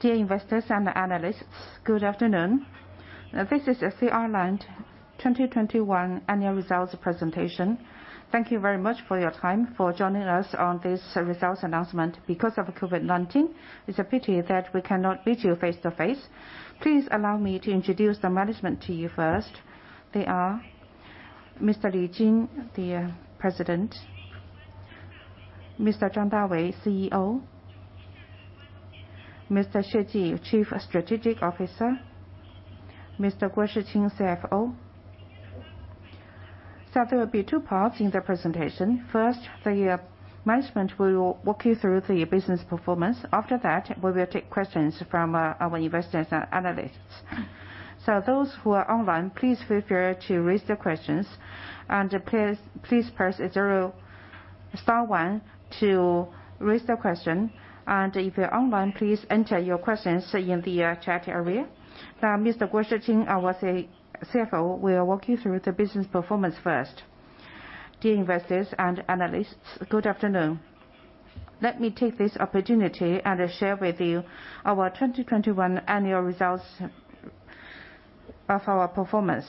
Dear investors and analysts, good afternoon. This is CR Land 2021 Annual Results Presentation. Thank you very much for your time for joining us on this results announcement. Because of COVID-19, it's a pity that we cannot meet you face to face. Please allow me to introduce the management to you first. They are Mr. Li Xin, the President, Mr. Zhang Dawei, CEO, Mr. Xie Ji, Chief Strategic Officer, Mr. Guo Shiqing, CFO. There will be two parts in the presentation. First, the management will walk you through the business performance. After that, we will take questions from our investors and analysts. Those who are online, please feel free to raise the questions, and please press zero star one to raise the question. If you're online, please enter your questions in the chat area. Now, Mr. Guo Shiqing, our CFO, will walk you through the business performance first. Dear investors and analysts, good afternoon. Let me take this opportunity and share with you our 2021 annual results of our performance.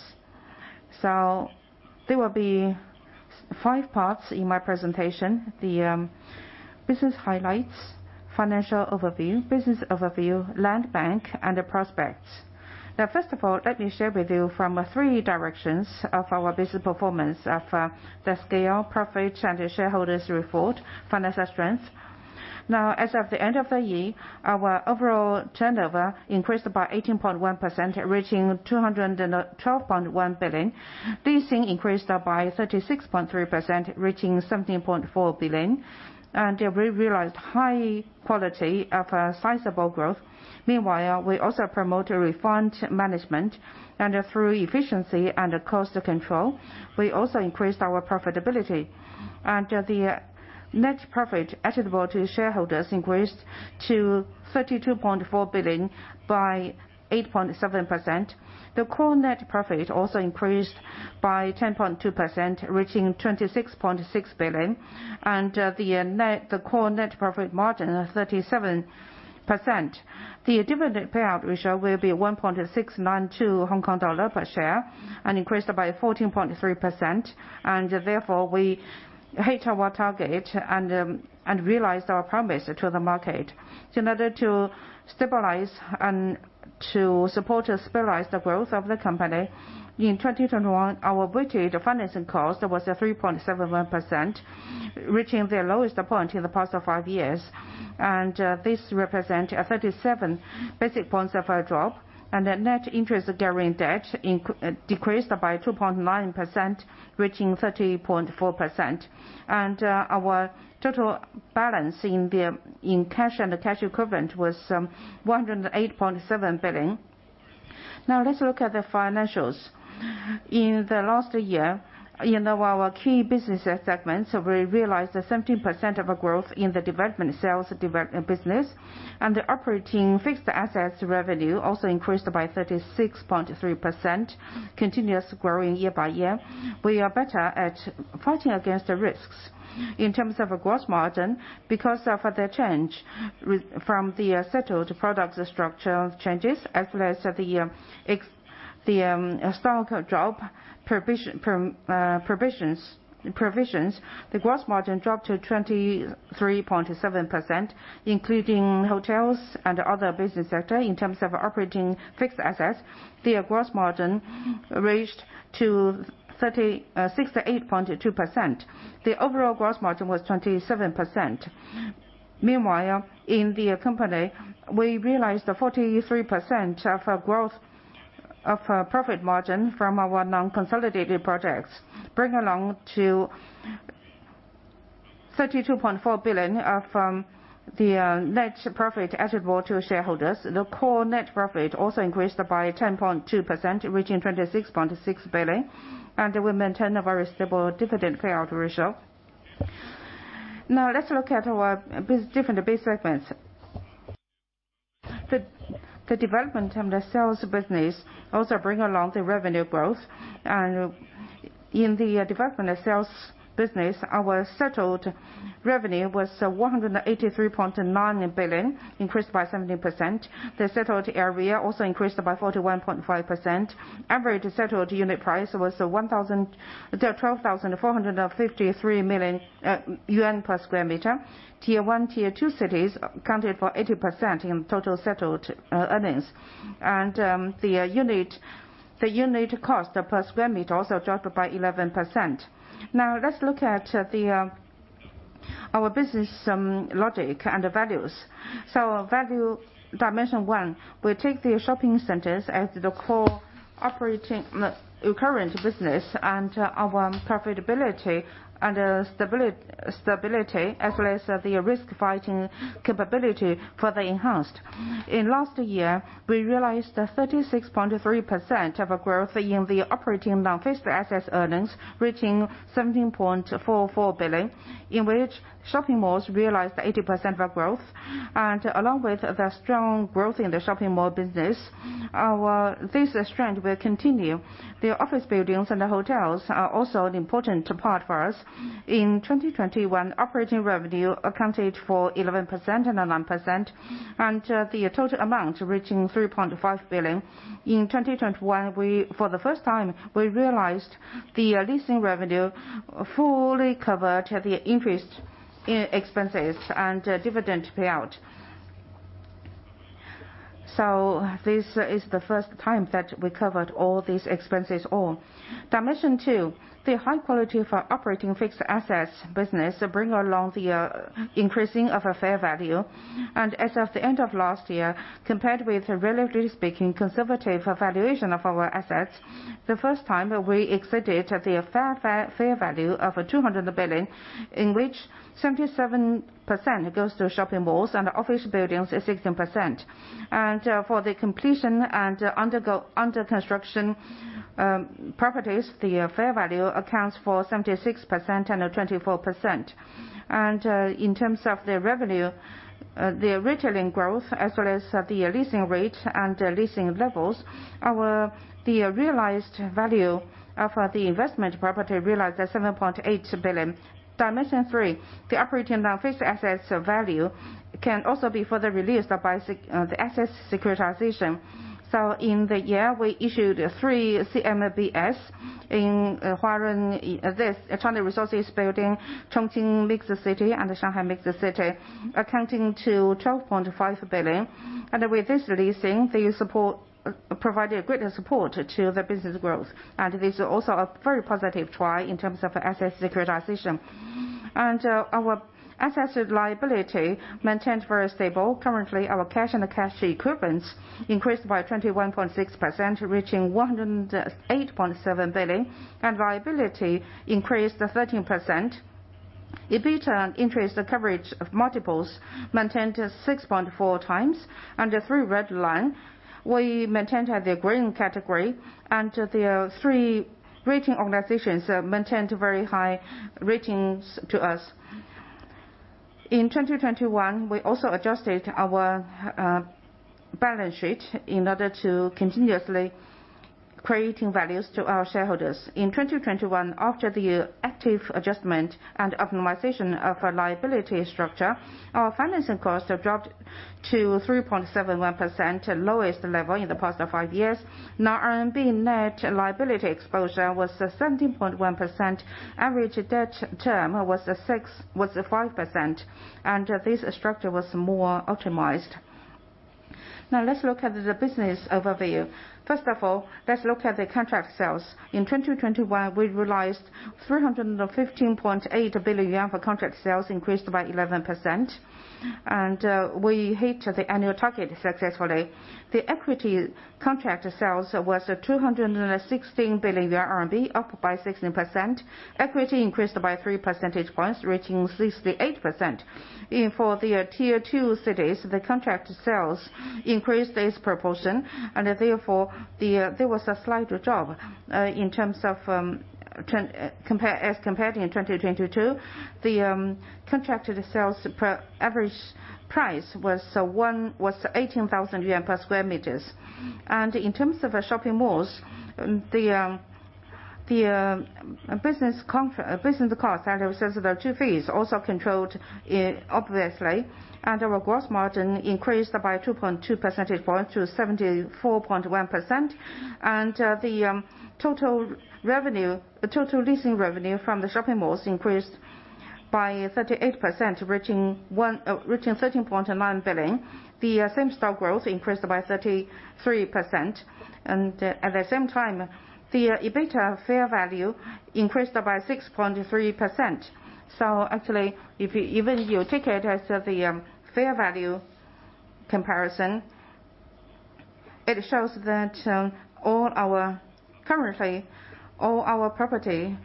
There will be five parts in my presentation. Business highlights, financial overview, business overview, land bank, and the prospects. First of all, let me share with you from three directions of our business performance of the scale, profit, and the shareholders' return, financial strength. As of the end of the year, our overall turnover increased by 18.1%, reaching 212.1 billion. Leasing increased by 36.3%, reaching 17.4 billion. We realized high quality sizable growth. Meanwhile, we also promote a refined management. Through efficiency and cost control, we also increased our profitability. The net profit attributable to shareholders increased to 32.4 billion by 8.7%. The core net profit also increased by 10.2%, reaching 26.6 billion. The core net profit margin 37%. The dividend payout ratio will be 1.692 Hong Kong dollar per share, and increased by 14.3%. Therefore, we hit our target and realized our promise to the market. In order to stabilize and to support and stabilize the growth of the company, in 2021, our weighted financing cost was at 3.71%, reaching the lowest point in the past five years. This represent a 37 basis points drop. The net debt ratio decreased by 2.9%, reaching 30.4%. Our total balance in cash and cash equivalents was 108.7 billion. Now let's look at the financials. In the last year, in our key business segments, we realized a 17% of growth in the development sales develop business. The operating fixed assets revenue also increased by 36.3%, continuous growing year-by-year. We are better at fighting against the risks. In terms of our gross margin, because of the change from the settled product structure changes, as well as the stock drop provisions, the gross margin dropped to 23.7%, including hotels and other business sector. In terms of operating fixed assets, the gross margin raised to 68.2%. The overall gross margin was 27%. Meanwhile, in the company, we realized a 43% growth of profit margin from our non-consolidated projects, bring along to 32.4 billion of the net profit attributable to shareholders. The core net profit also increased by 10.2%, reaching 26.6 billion. We maintain a very stable dividend payout ratio. Now let's look at our different business segments. The Development and Sales business also bring along the revenue growth. In the Development and Sales business, our settled revenue was 183.9 billion, increased by 17%. The settled area also increased by 41.5%. Average settled unit price was 12,453 per sq m. Tier 1, Tier 2 cities accounted for 80% in total settled earnings. The unit cost per sq m also dropped by 11%. Now let's look at our business logic and values. Value dimension one, we take the shopping centers as the core operating recurring business and our profitability and stability, as well as the risk fighting capability further enhanced. In last year, we realized a 36.3% growth in the operating non-fixed asset earnings, reaching 17.44 billion, in which shopping malls realized 80% of our growth. Along with the strong growth in the shopping mall business, our this strength will continue. The office buildings and the hotels are also an important part for us. In 2021, operating revenue accounted for 11% and 9%, and the total amount reaching 3.5 billion. In 2021, for the first time, we realized the leasing revenue fully covered the interest expenses and dividend payout. This is the first time that we covered all these expenses. Dimension two, the high quality for operating fixed assets business bring along the increasing of a fair value. As of the end of last year, compared with relatively speaking conservative valuation of our assets, the first time that we exceeded the fair value of 200 billion, in which 77% goes to shopping malls and office buildings is 16%. For the completed and under construction properties, the fair value accounts for 76% and 24%. In terms of the revenue, the retailing growth as well as the leasing rate and leasing levels, the realized value of the investment property realized at 7.8 billion. Dimension three, the operating fixed assets value can also be further released by the asset securitization. In the year, we issued three CMBS in Huarun, China Resources Building, Chongqing MixC City, and Shanghai MixC City, amounting to 12.5 billion. With this leasing, provided greater support to the business growth. This is also a very positive try in terms of asset securitization. Our asset liability maintained very stable. Currently, our cash and cash equivalents increased by 21.6%, reaching 108.7 billion, and liability increased 13%. EBITDA and interest coverage multiples maintained at 6.4x. Under three red lines, we maintained the green category and the three rating organizations maintained very high ratings to us. In 2021, we also adjusted our balance sheet in order to continuously creating values to our shareholders. In 2021, after the active adjustment and optimization of our liability structure, our financing costs have dropped to 3.71%, lowest level in the past five years. RMB net liability exposure was 17.1%. Average debt term was five years, and this structure was more optimized. Now let's look at the business overview. First of all, let's look at the contract sales. In 2021, we realized 315.8 billion yuan for contract sales, increased by 11%. We hit the annual target successfully. The equity contract sales was 216 billion RMB, up 16%. Equity increased by 3 percentage points, reaching 68%. In Tier 2 cities, the proportion of contract sales increased, and therefore there was a slight drop as compared to 2022. The average contract sales price was 18,000 per sq m. In terms of our shopping malls, the business cost, that is the two fees, was also obviously controlled, and our gross margin increased by 2.2 percentage points to 74.1%. The total leasing revenue from the shopping malls increased by 38%, reaching 13.9 billion. The same store growth increased by 33%. At the same time, the EBITDA fair value increased by 6.3%. Actually, even if you take it as the fair value comparison, it shows that currently, all our property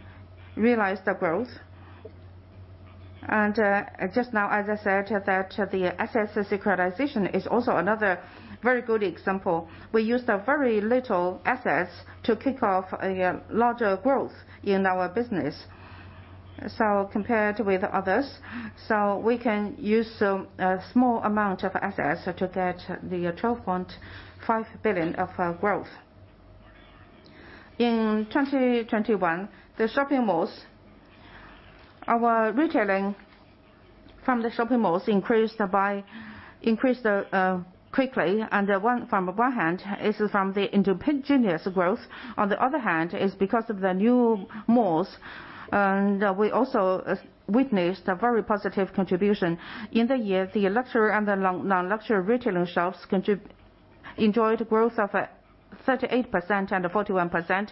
realized the growth. Just now, as I said, the asset securitization is also another very good example. We used a very little assets to kick off a larger growth in our business. Compared with others, we can use a small amount of assets to get the 12.5 billion of growth. In 2021, the shopping malls, our retailing from the shopping malls increased quickly. On one hand, it is from the endogenous growth. On the other hand, it is because of the new malls. We also witnessed a very positive contribution. In the year, the luxury and the non-luxury retailing shops enjoyed growth of 38% and 41%.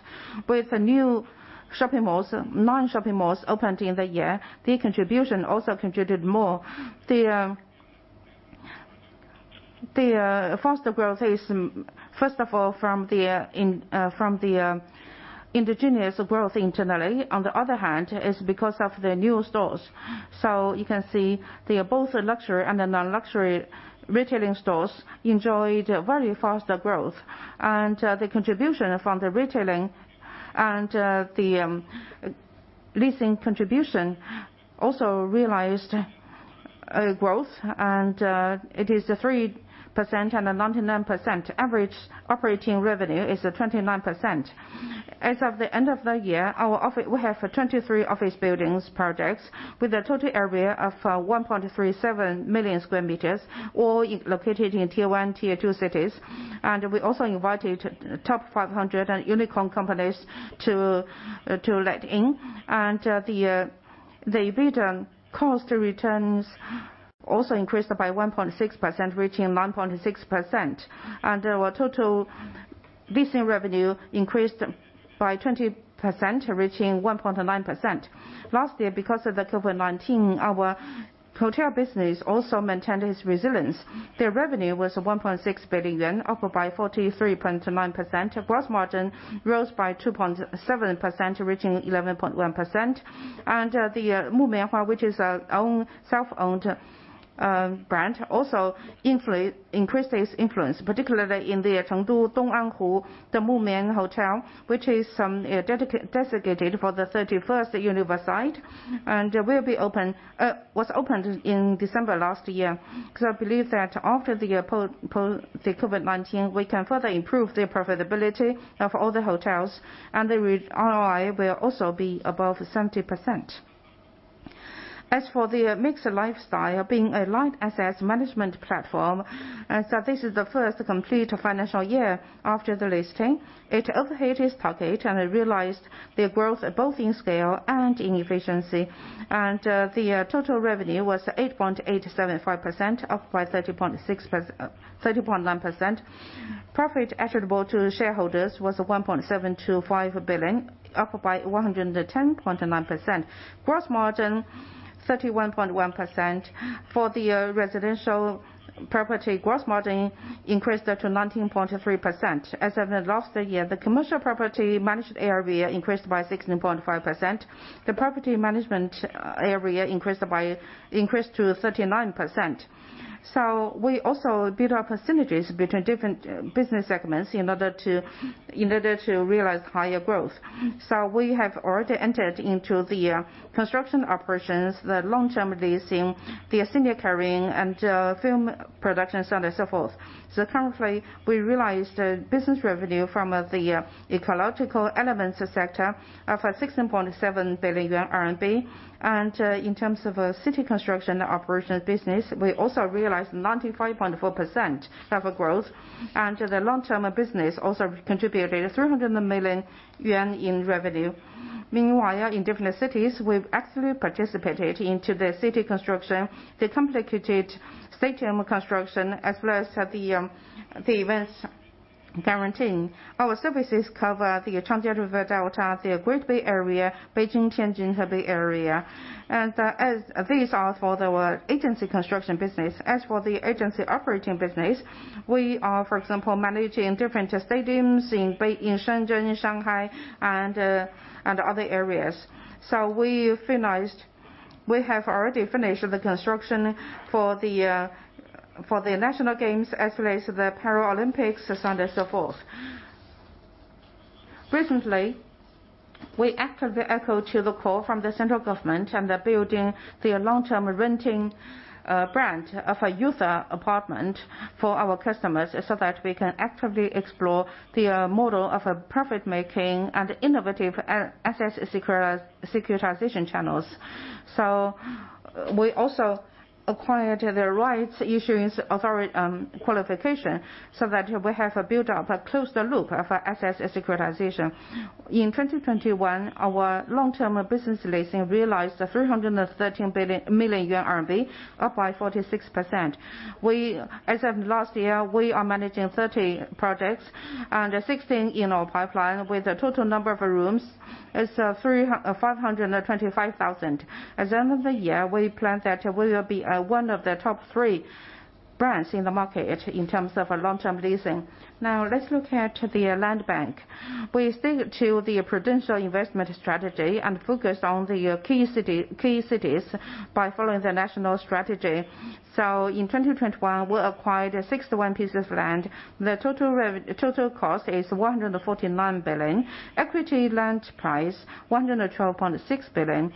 With the new shopping malls, nine shopping malls opened in the year. The contribution also contributed more. The faster growth is first of all from the indigenous growth internally. On the other hand, it is because of the new stores. You can see they are both luxury and the non-luxury retailing stores enjoyed very faster growth. The contribution from the retailing and the leasing contribution also realized 8% growth, and it is 3.99%. Average operating revenue is 29%. As of the end of the year, we have 23 office buildings projects with a total area of 1.37 million sq m, all located in Tier 1, Tier 2 cities. We also invited top 500 unicorn companies to let in. The EBITDA cost returns also increased by 1.6% reaching 9.6%. Our total leasing revenue increased by 20% reaching 1.9 billion. Last year because of the COVID-19, our hotel business also maintained its resilience. Their revenue was 1.6 billion yuan, up by 43.9%. Gross margin rose by 2.7% reaching 11.1%. The MUMIAN, which is our own self-owned brand, also increased its influence, particularly in the Chengdu Dong'an Lake MUMIAN Hotel, which is designated for the 31st Universiade site, and was opened in December last year. I believe that after the post -- the COVID-19, we can further improve the profitability of all the hotels and the ROI will also be above 70%. As for the MixC Lifestyle, being a light asset management platform, this is the first complete financial year after the listing. It overachieved its target and realized the growth both in scale and in efficiency. The total revenue was 8.875 billion, up by 30.9%. Profit attributable to shareholders was 1.725 billion, up by 110.9%. Gross margin, 31.1%. For the residential property, gross margin increased to 19.3%. As of last year, the commercial property managed area increased by 16.5%. The property management area increased to 39%. We also build up synergies between different business segments in order to realize higher growth. We have already entered into the construction operations, the long-term leasing, the senior caring and film production, so on and so forth. Currently, we realized business revenue from the ecological elements sector of 16.7 billion yuan. In terms of city construction operations business, we also realized 95.4% of growth. The long-term business also contributed 300 million yuan in revenue. Meanwhile, in different cities, we've actively participated in the city construction, the complicated stadium construction, as well as the events guaranteeing. Our services cover the Yangtze River Delta, the Greater Bay Area, Beijing-Tianjin-Hebei area. As these are for our agency construction business, as for the agency operating business, we are, for example, managing different stadiums in Shenzhen, Shanghai, and other areas. We have already finished the construction for the National Games, as well as the Paralympics, and so on and so forth. Recently, we actively echo the call from the central government and building the long-term rental brand of YouChao apartment for our customers, so that we can actively explore the model of profit-making and innovative asset securitization channels. We also acquired the rights issuance authority qualification, so that we have built up a closed loop of asset securitization. In 2021, our long-term business leasing realized 313 million yuan, up 46%. As of last year, we are managing 30 projects and 16 in our pipeline with a total number of rooms of 35,250. At the end of the year, we plan that we will be one of the top three brands in the market in terms of long-term leasing. Now let's look at the land bank. We stick to the prudential investment strategy and focus on the key cities by following the national strategy. In 2021, we acquired 61 pieces of land. The total cost is 149 billion. Equity land price, 112.6 billion.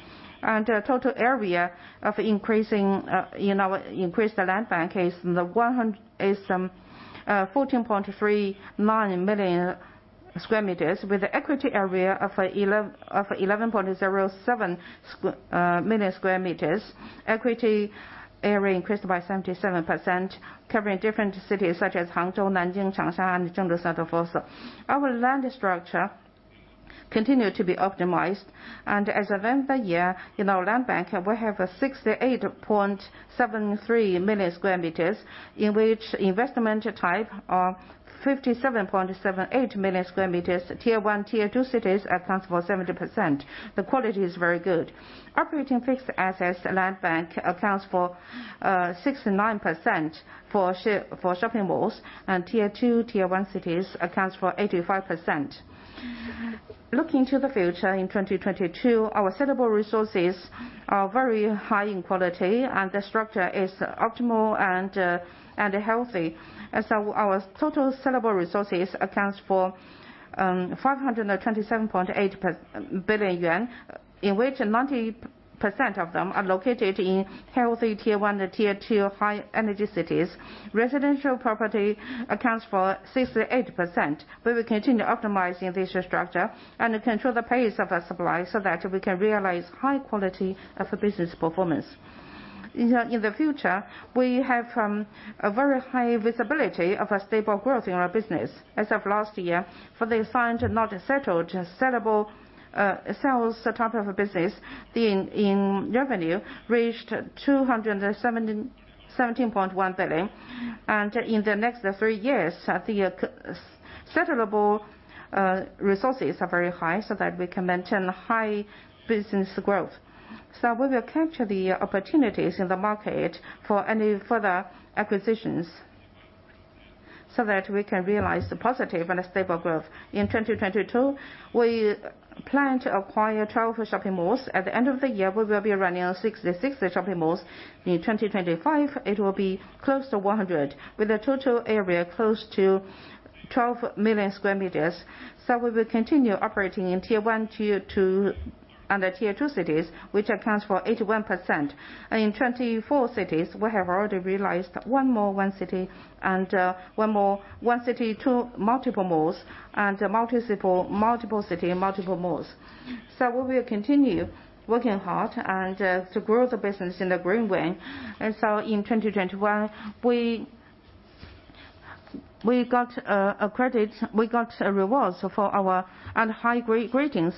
Total area of increasing in our increased land bank is 14.39 million sq m with the equity area of 11.07 million sq m. Equity area increased by 77%, covering different cities such as Hangzhou, Nanjing, Changsha, and Zhengzhou, so on and so forth. Our land structure continued to be optimized. As of end of year, in our land bank, we have 68.73 million sq m, in which investment type of 57.78 million sq m, Tier 1, Tier 2 cities accounts for 70%. The quality is very good. Operating fixed assets, land bank accounts for 69% for shopping malls, and Tier 2, Tier 1 cities accounts for 85%. Looking to the future in 2022, our sellable resources are very high in quality, and the structure is optimal and healthy. Our total sellable resources accounts for 527.8 billion yuan. In which 90% of them are located in healthy Tier 1 or Tier 2 high-energy cities. Residential property accounts for 68%. We will continue optimizing this structure and control the pace of our supply so that we can realize high quality of the business performance. In the future, we have a very high visibility of a stable growth in our business. As of last year, for the signed but not yet settled sellable sales type of a business, the revenue reached 271.1 billion. In the next three years, the to-be-settled resources are very high so that we can maintain high business growth. We will capture the opportunities in the market for any further acquisitions so that we can realize the positive and a stable growth. In 2022, we plan to acquire 12 shopping malls. At the end of the year, we will be running 66 shopping malls. In 2025, it will be close to 100, with a total area close to 12 million sq m. We will continue operating in Tier 1, Tier 2 and the Tier 2 cities, which accounts for 81%. In 24 cities, we have already realized one mall, one city, and multiple malls, and multiple city, multiple malls. We will continue working hard and to grow the business in the green way. In 2021, we got rewards and high ratings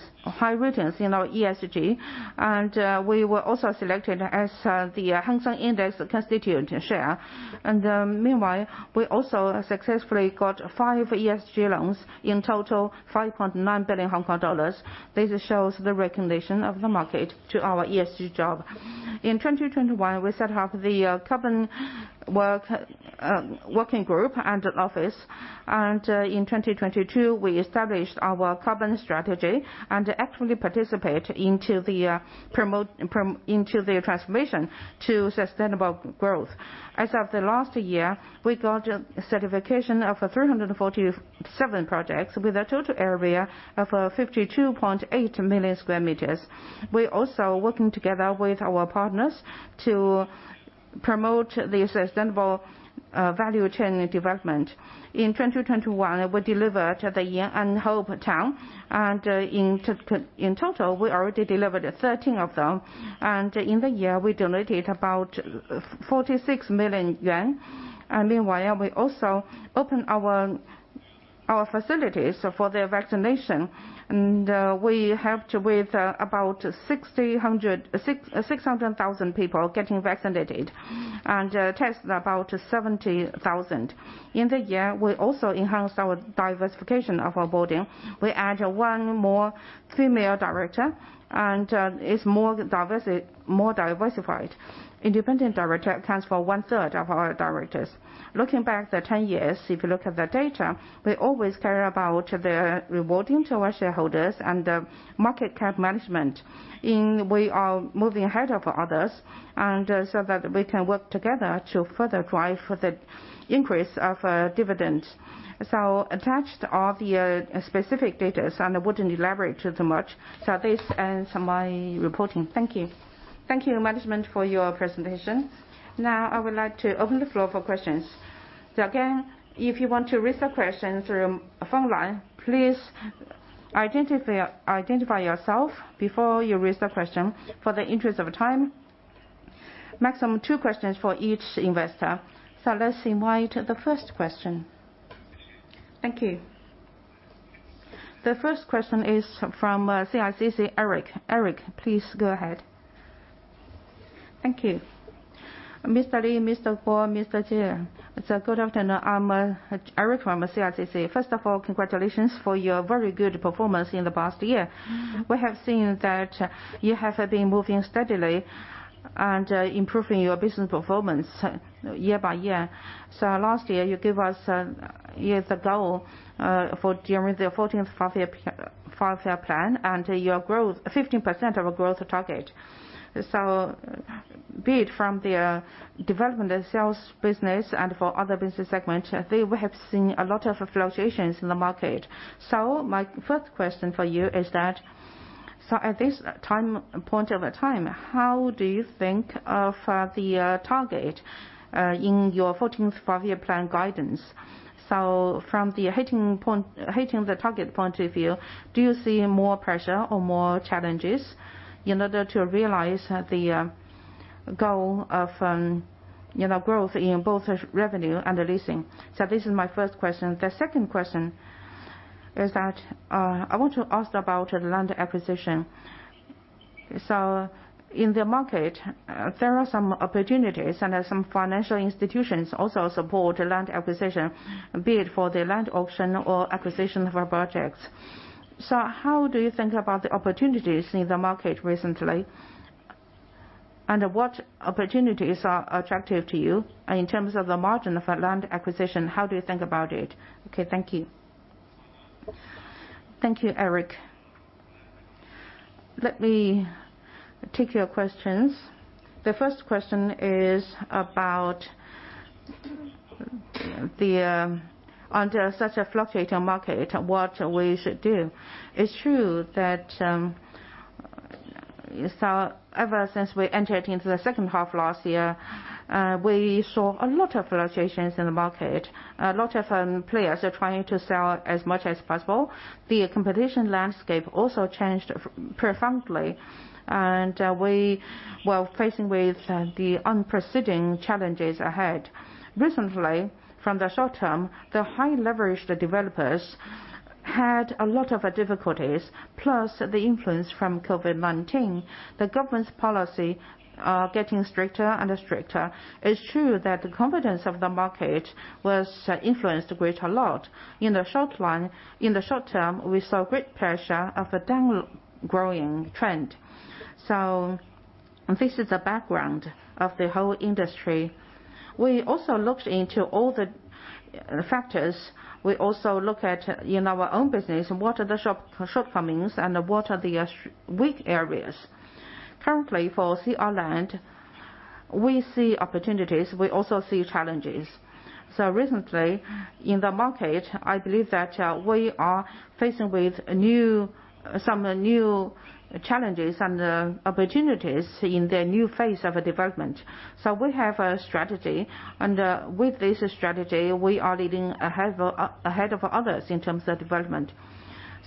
in our ESG. We were also selected as the Hang Seng Index Constituent Share. Meanwhile, we also successfully got five ESG loans, in total, 5.9 billion Hong Kong dollars. This shows the recognition of the market to our ESG job. In 2021, we set up the carbon working group and an office. In 2022, we established our carbon strategy and actually participate into the transformation to sustainable growth. As of last year, we got certification of 347 projects with a total area of 52.8 million sq m. We're also working together with our partners to promote the sustainable value chain development. In 2021, we delivered the Yan'an Hope Town, and in total, we already delivered 13 of them. In the year, we donated about 46 million yuan. Meanwhile, we also opened our facilities for the vaccination. We helped with about 600,000 people getting vaccinated and tested about 70,000. In the year, we also enhanced our diversification of our board. We added one more female director, and it's more diversified. Independent director accounts for one-third of our directors. Looking back the 10 years, if you look at the data, we always care about the rewarding to our shareholders and the market cap management. We are moving ahead of others and so that we can work together to further drive the increase of dividends. Attached are the specific data, and I wouldn't elaborate too much. This ends my reporting. Thank you. Thank you, management, for your presentation. Now I would like to open the floor for questions. Again, if you want to raise a question through phone line, please identify yourself before you raise the question. In the interest of time, maximum two questions for each investor. Let's invite the first question. Thank you. The first question is from CICC, Eric. Eric, please go ahead. Thank you. Mr. Li, Mr. Guo, Mr. Xie, good afternoon. I'm Eric from CICC. First of all, congratulations for your very good performance in the past year. We have seen that you have been moving steadily and improving your business performance year-by-year. Last year, you gave us years ago for during the 14th Five-Year Plan and your growth, 15% growth target. Be it from the development of sales business and for other business segment, I think we have seen a lot of fluctuations in the market. My first question for you is that at this point in time, how do you think of the target in your 14th Five-Year Plan guidance? From the point of view of hitting the target, do you see more pressure or more challenges in order to realize the goal of growth in both revenue and leasing? This is my first question. The second question is that I want to ask about land acquisition. In the market, there are some opportunities and some financial institutions also support land acquisition, be it for the land auction or acquisition for projects. How do you think about the opportunities in the market recently? And what opportunities are attractive to you? And in terms of the margin of a land acquisition, how do you think about it? Okay, thank you. Thank you, Eric. Let me take your questions. The first question is about under such a fluctuating market, what we should do. It's true that ever since we entered into the second half last year, we saw a lot of fluctuations in the market. A lot of players are trying to sell as much as possible. The competition landscape also changed profoundly. We were facing with the unprecedented challenges ahead. Recently, from the short term, the high leverage developers had a lot of difficulties, plus the influence from COVID-19. The government's policy getting stricter and stricter. It's true that the competition of the market was influenced a great deal. In the short term, we saw great pressure of a downgrading trend. This is the background of the whole industry. We also looked into all the factors. We also look at, in our own business, what are the shortcomings and what are the weak areas. Currently, for CR Land, we see opportunities, we also see challenges. Recently, in the market, I believe that we are faced with some new challenges and opportunities in the new phase of development. We have a strategy, and with this strategy, we are leading ahead of others in terms of development.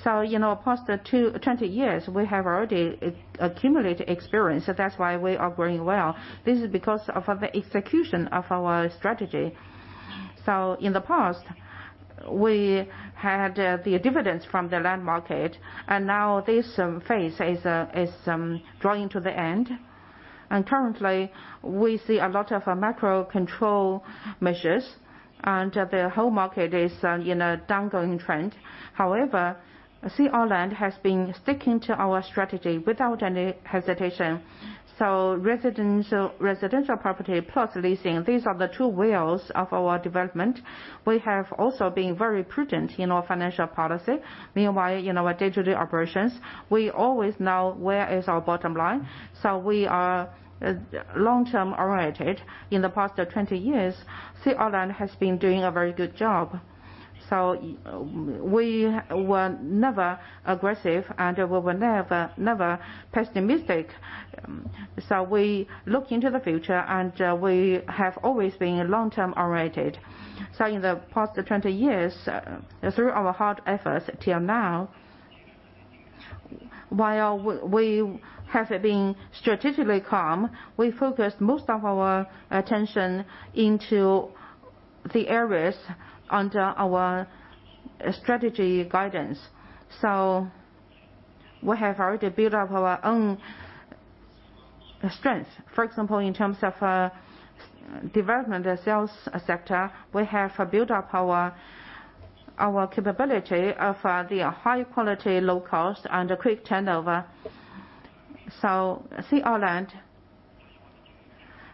You know, past 20 years, we have already accumulated experience. That's why we are growing well. This is because of the execution of our strategy. In the past, we had the dividends from the land market, and now this phase is drawing to the end. Currently, we see a lot of macro control measures and the whole market is in a downward trend. However, CR Land has been sticking to our strategy without any hesitation. Residential, residential property plus leasing, these are the two wheels of our development. We have also been very prudent in our financial policy. Meanwhile, in our day-to-day operations, we always know where is our bottom line. We are long-term oriented. In the past 20 years, CR Land has been doing a very good job. We were never aggressive, and we were never pessimistic. We look into the future, and we have always been long-term oriented. In the past 20 years, through our hard efforts till now, while we have been strategically calm, we focused most of our attention into the areas under our strategy guidance. We have already built up our own strength. For example, in terms of development sales sector, we have built up our capability of the high quality, low cost and quick turnover. CR Land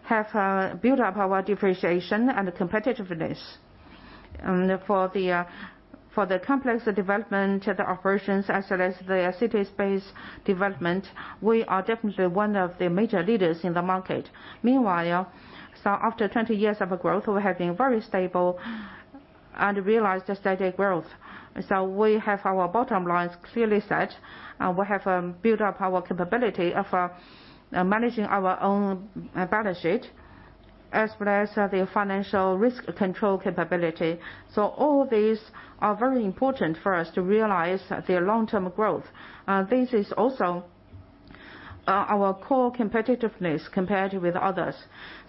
have built up our differentiation and competitiveness. For the complex development of the operations, as well as the city space development, we are definitely one of the major leaders in the market. Meanwhile, after 20 years of growth, we have been very stable and realized a steady growth. We have our bottom lines clearly set, and we have built up our capability of managing our own balance sheet, as well as the financial risk control capability. All these are very important for us to realize the long-term growth. This is also our core competitiveness compared with others.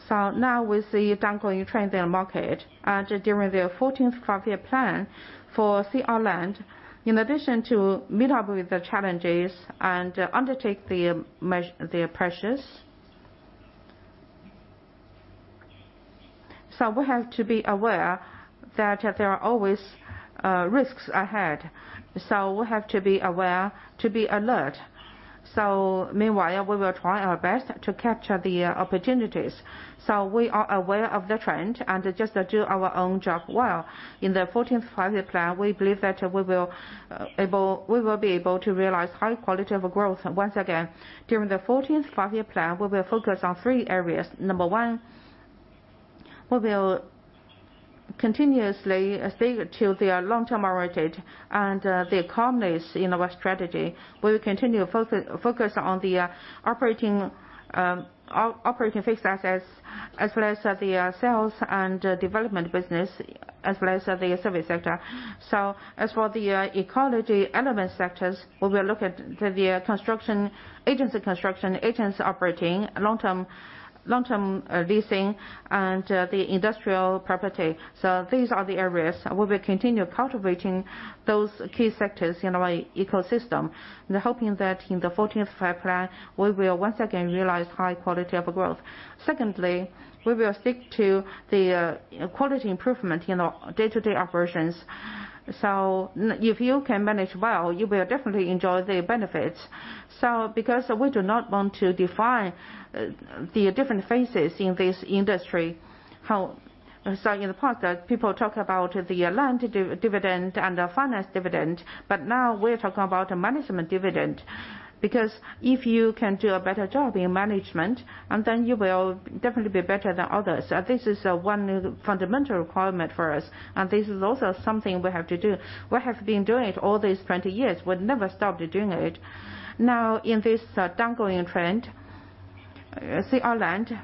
Now with the downward trend in market, and during the 14th Five-Year Plan for CR Land, in addition to meet up with the challenges and undertake the pressures. We have to be aware that there are always risks ahead. We have to be aware, to be alert. Meanwhile, we will try our best to capture the opportunities. We are aware of the trend and just do our own job well. In the 14th Five-Year Plan, we believe that we will be able to realize high quality of growth once again. During the 14th Five-Year Plan, we will focus on three areas. Number one, we will continuously stick to the long-term oriented and the economies in our strategy. We will continue focus on the operating fixed assets, as well as the sales and development business, as well as the service sector. As for the ecology element sectors, we will look at the construction, agency construction, agency operating, long-term leasing, and the industrial property. These are the areas where we continue cultivating those key sectors in our ecosystem. We're hoping that in the 14th Five-Year Plan, we will once again realize high quality of growth. Secondly, we will stick to the quality improvement in our day-to-day operations. If you can manage well, you will definitely enjoy the benefits. Because we do not want to define the different phases in this industry, so in the past, people talk about the land dividend and the finance dividend, but now we're talking about a management dividend. Because if you can do a better job in management, and then you will definitely be better than others. This is one fundamental requirement for us, and this is also something we have to do. We have been doing it all these 20 years. We'd never stop doing it. Now, in this downgoing trend, CR Land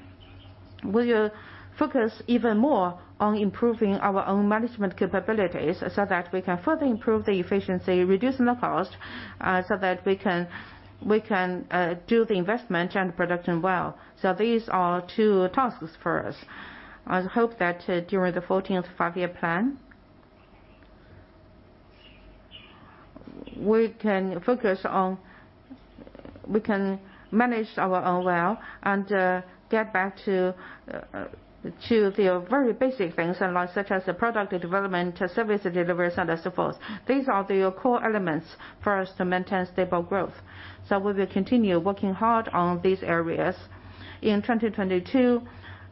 will focus even more on improving our own management capabilities so that we can further improve the efficiency, reducing the cost, so that we can do the investment and production well. These are two tasks for us. I hope that during the 14th Five-Year Plan, we can focus on... We can manage our own well and get back to the very basic things like such as the product development, service delivery, and so forth. These are the core elements for us to maintain stable growth. We will continue working hard on these areas. In 2022,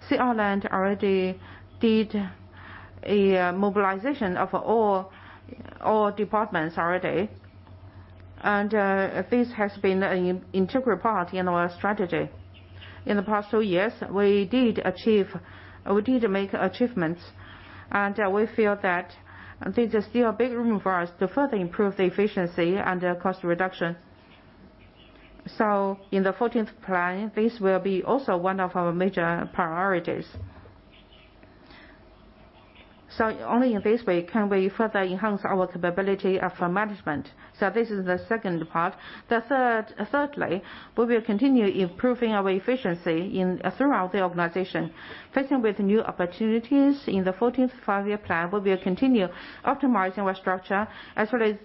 CR Land already did a mobilization of all departments already. This has been an integral part in our strategy. In the past two years, we did make achievements, and we feel that there's still big room for us to further improve the efficiency and the cost reduction. In the 14th plan, this will be also one of our major priorities. Only in this way can we further enhance our capability of management. This is the second part. Thirdly, we will continue improving our efficiency throughout the organization. Facing with new opportunities in the 14th Five-Year Plan, we will continue optimizing our structure, as well as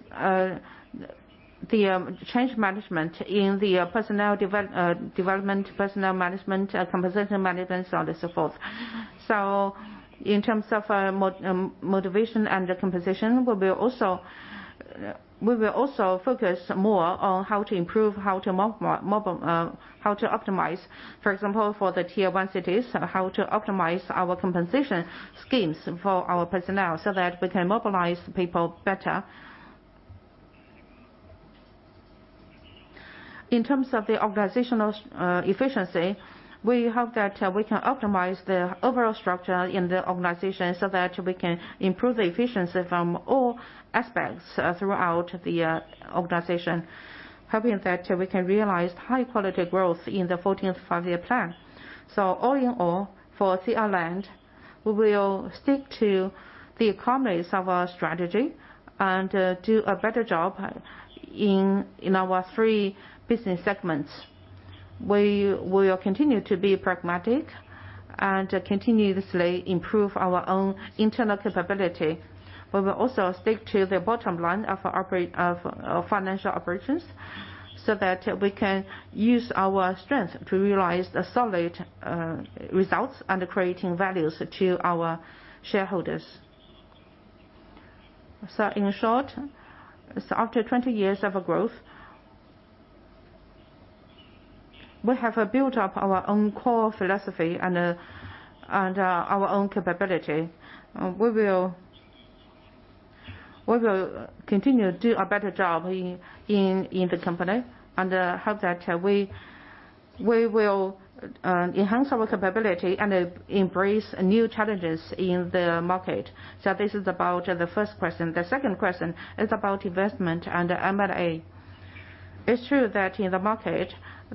the change management in the personnel development, personnel management, compensation management, so on and so forth. In terms of motivation and the compensation, we will also focus more on how to improve, how to mobilize, how to optimize. For example, for the Tier 1 cities, how to optimize our compensation schemes for our personnel so that we can mobilize people better. In terms of the organizational efficiency, we hope that we can optimize the overall structure in the organization so that we can improve the efficiency from all aspects throughout the organization, hoping that we can realize high quality growth in the 14th Five-Year Plan. All in all, for CR Land, we will stick to the essence of our strategy and do a better job in our three business segments. We will continue to be pragmatic and continuously improve our own internal capability. We will also stick to the bottom line of financial operations so that we can use our strength to realize a solid results and creating values to our shareholders. In short, after 20 years of growth, we have built up our own core philosophy and our own capability. We will continue to do a better job in the company and hope that we will enhance our capability and embrace new challenges in the market. This is about the first question. The second question is about investment and the M&A. It's true that in the market,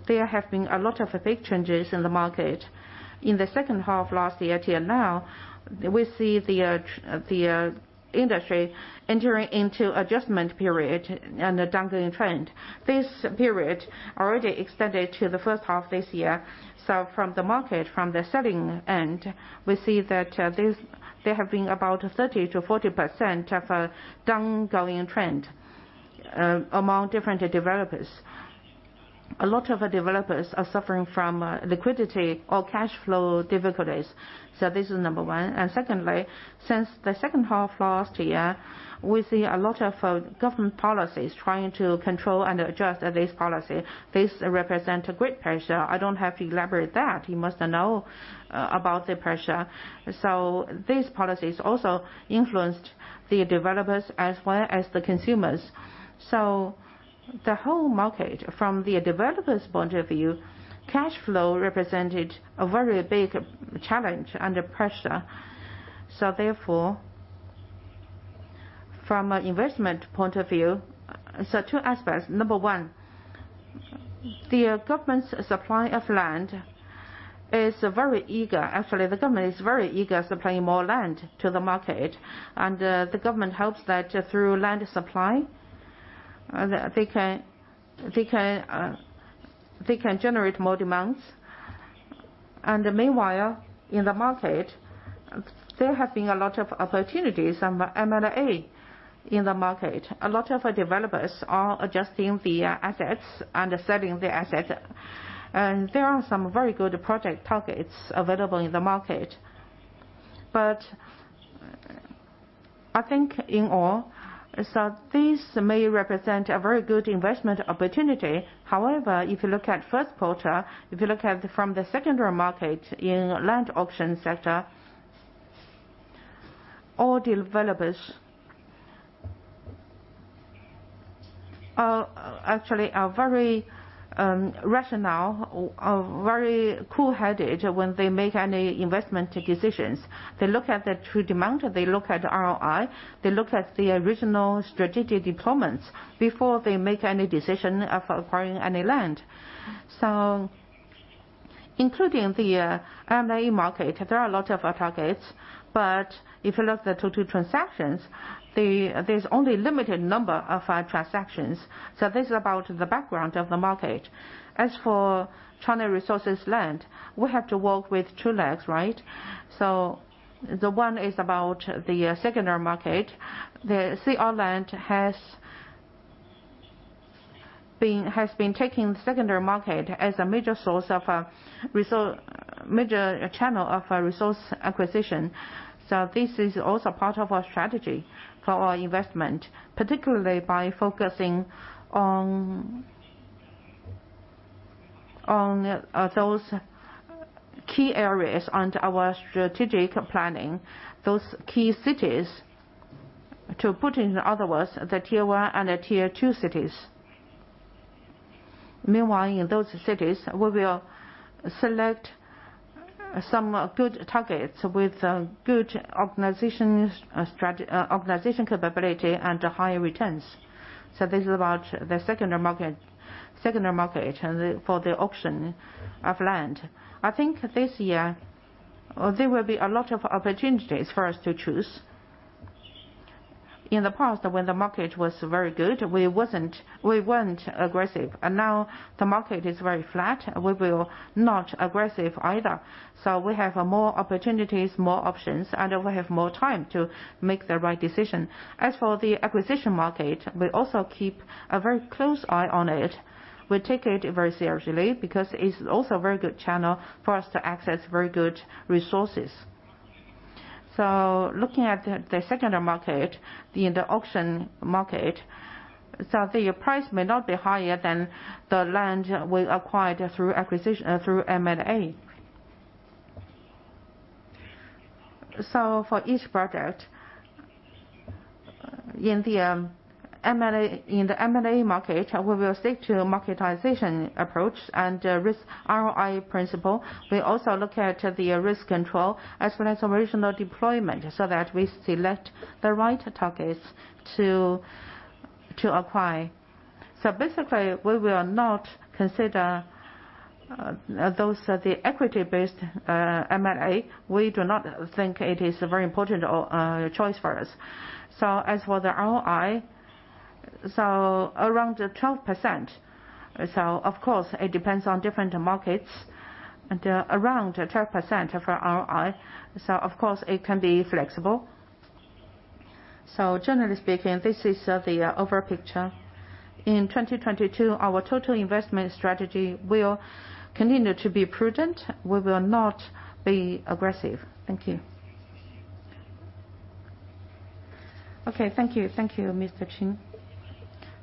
there have been a lot of big changes in the market. In the second half last year till now, we see the industry entering into adjustment period and a downward trend. This period already extended to the first half this year. From the market, from the selling end, we see that there have been about 30%-40% of a downward trend among different developers. A lot of developers are suffering from liquidity or cash flow difficulties. This is number one. Secondly, since the second half last year, we see a lot of government policies trying to control and adjust this policy. This represent a great pressure. I don't have to elaborate that. You must know about the pressure. These policies also influenced the developers as well as the consumers. The whole market, from the developer's point of view, cash flow represented a very big challenge under pressure. Therefore, from an investment point of view, two aspects. Number one, the government's supply of land is very eager. Actually, the government is very eager supplying more land to the market, and the government hopes that through land supply, they can generate more demands. Meanwhile, in the market, there have been a lot of opportunities on M&A in the market. A lot of developers are adjusting the assets and selling the asset. There are some very good project targets available in the market. I think in all, this may represent a very good investment opportunity. However, if you look at first quarter, if you look at from the secondary market in land auction sector. All developers are actually very rational, very cool-headed when they make any investment decisions. They look at the true demand, they look at ROI, they look at the original strategic deployments before they make any decision of acquiring any land. Including the M&A market, there are a lot of targets, but if you look at the total transactions, there's only a limited number of transactions. This is about the background of the market. As for China Resources Land, we have to walk with two legs, right? The one is about the secondary market. The CR Land has been taking secondary market as a major channel of resource acquisition. This is also part of our strategy for our investment, particularly by focusing on those key areas under our strategic planning, those key cities. To put it in other words, the Tier 1 and the Tier 2 cities. Meanwhile, in those cities, we will select some good targets with good organization capability and higher returns. This is about the secondary market and the auction of land. I think this year there will be a lot of opportunities for us to choose. In the past, when the market was very good, we weren't aggressive. Now the market is very flat, we will not be aggressive either. We have more opportunities, more options, and we have more time to make the right decision. As for the acquisition market, we also keep a very close eye on it. We take it very seriously because it's also a very good channel for us to access very good resources. Looking at the secondary market and the auction market, the price may not be higher than the land we acquired through acquisition through M&A. For each project in the M&A market, we will stick to marketization approach and risk ROI principle. We also look at the risk control as well as original deployment so that we select the right targets to acquire. Basically, we will not consider those at the equity-based M&A. We do not think it is a very important choice for us. As for the ROI, around 12%. Of course, it depends on different markets and around 12% for ROI. Of course, it can be flexible. Generally speaking, this is the overall picture. In 2022, our total investment strategy will continue to be prudent. We will not be aggressive. Thank you. Okay. Thank you. Thank you, Mr. Xin.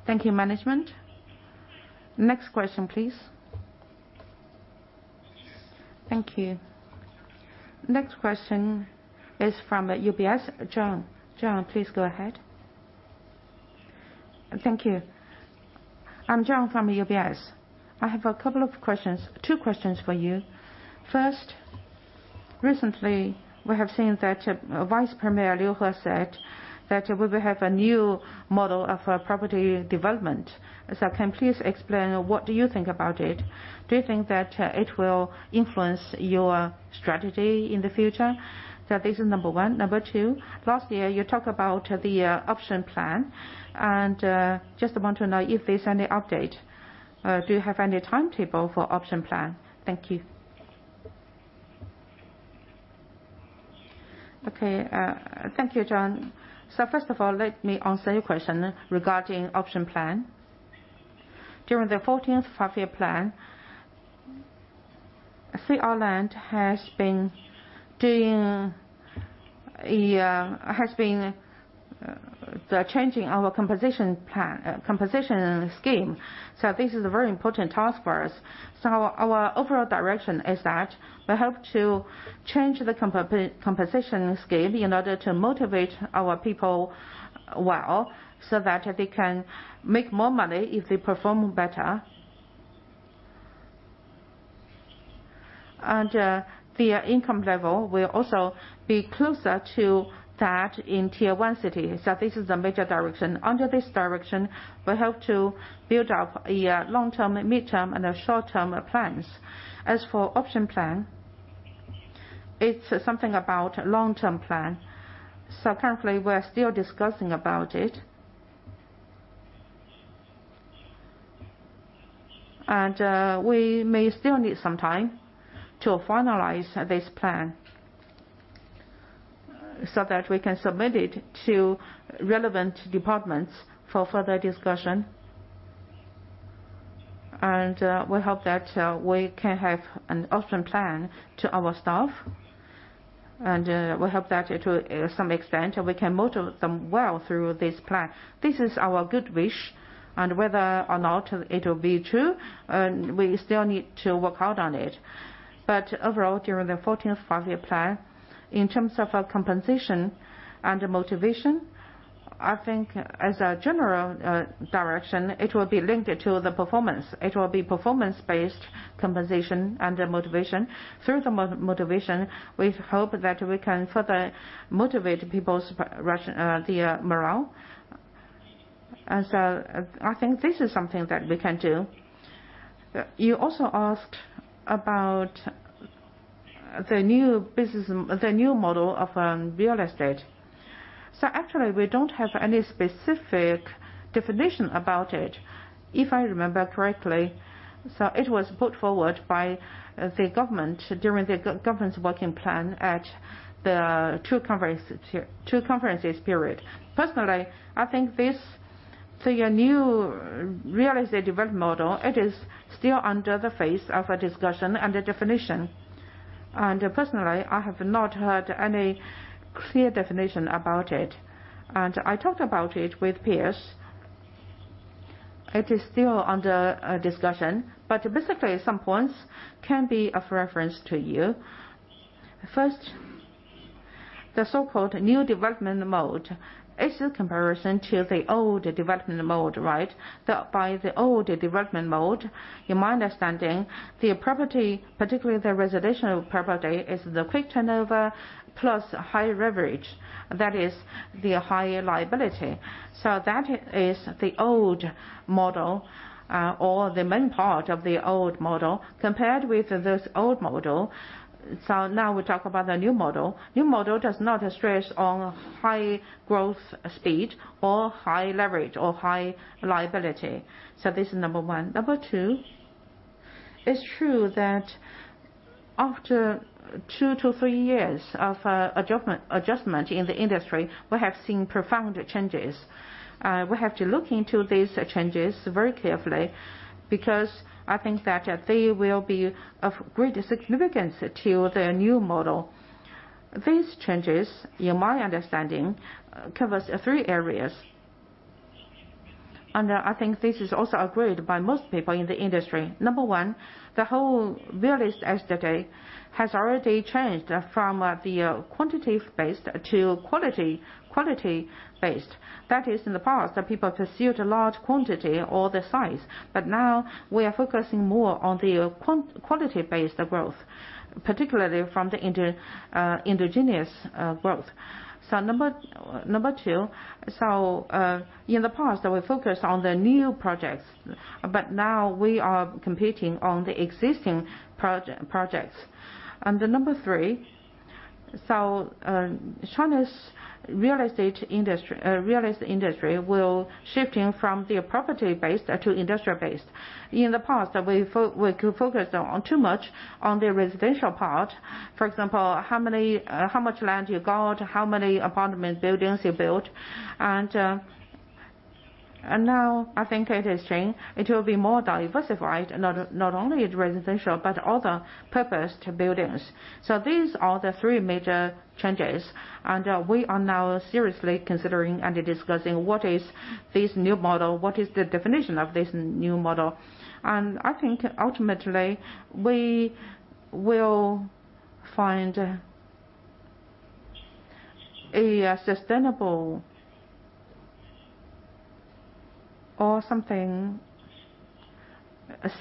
Thank you, management. Next question, please. Thank you. Next question is from UBS, John. John, please go ahead. Thank you. I'm John from UBS. I have a couple of questions, two questions for you. First, recently, we have seen that, Vice Premier Liu He said that we will have a new model of, property development. Can you please explain what do you think about it? Do you think that, it will influence your strategy in the future? This is number one. Number two, last year, you talked about the, option plan, and, just want to know if there's any update. Do you have any timetable for option plan? Thank you. Okay. Thank you, John. First of all, let me answer your question regarding option plan. During the 14th Five-Year Plan, CR Land has been changing our composition plan, composition scheme. This is a very important task for us. Our overall direction is that we hope to change the composition scheme in order to motivate our people well, so that they can make more money if they perform better. Their income level will also be closer to that in Tier 1 cities. This is the major direction. Under this direction, we hope to build up a long-term, midterm, and a short-term plans. As for option plan, it's something about long-term plan. Currently, we're still discussing about it. We may still need some time to finalize this plan so that we can submit it to relevant departments for further discussion. We hope that we can have an option plan to our staff. We hope that to some extent, we can motivate them well through this plan. This is our good wish, and whether or not it'll be true, we still need to work out on it. Overall, during the 14th Five-Year Plan, in terms of compensation and motivation, I think as a general direction, it will be linked to the performance. It will be performance-based compensation and motivation. Through the motivation, we hope that we can further motivate people's their morale. I think this is something that we can do. You also asked about the new business, the new model of real estate. Actually, we don't have any specific definition about it. If I remember correctly, so it was put forward by the government during the government's working plan at the two conferences period. Personally, I think this, the new real estate development model, it is still under the phase of a discussion and a definition. Personally, I have not heard any clear definition about it. I talked about it with peers. It is still under discussion, but basically some points can be of reference to you. First, the so-called new development mode is in comparison to the old development mode, right? By the old development mode, in my understanding, the property, particularly the residential property, is the quick turnover plus high leverage. That is the higher liability. That is the old model, or the main part of the old model. Compared with this old model, now we talk about the new model. New model does not stress on high growth speed or high leverage or high liability. This is number one. Number two, it's true that after two-three years of adjustment in the industry, we have seen profound changes. We have to look into these changes very carefully, because I think that they will be of great significance to the new model. These changes, in my understanding, covers three areas. I think this is also agreed by most people in the industry. Number one, the whole real estate has already changed from the quantity based to quality based. That is, in the past, people pursued a large quantity or the size, but now we are focusing more on the quality based growth, particularly from the indigenous growth. Number two. In the past, we focused on the new projects, but now we are competing on the existing projects. Number three, China's real estate industry will shift from the property-based to industry-based. In the past, we focused on too much on the residential part. For example, how many, how much land you got, how many apartment buildings you built. Now I think it has changed. It will be more diversified, not only residential, but other purpose to buildings. These are the three major changes, and we are now seriously considering and discussing what is this new model, what is the definition of this new model. I think ultimately, we will find a sustainable or something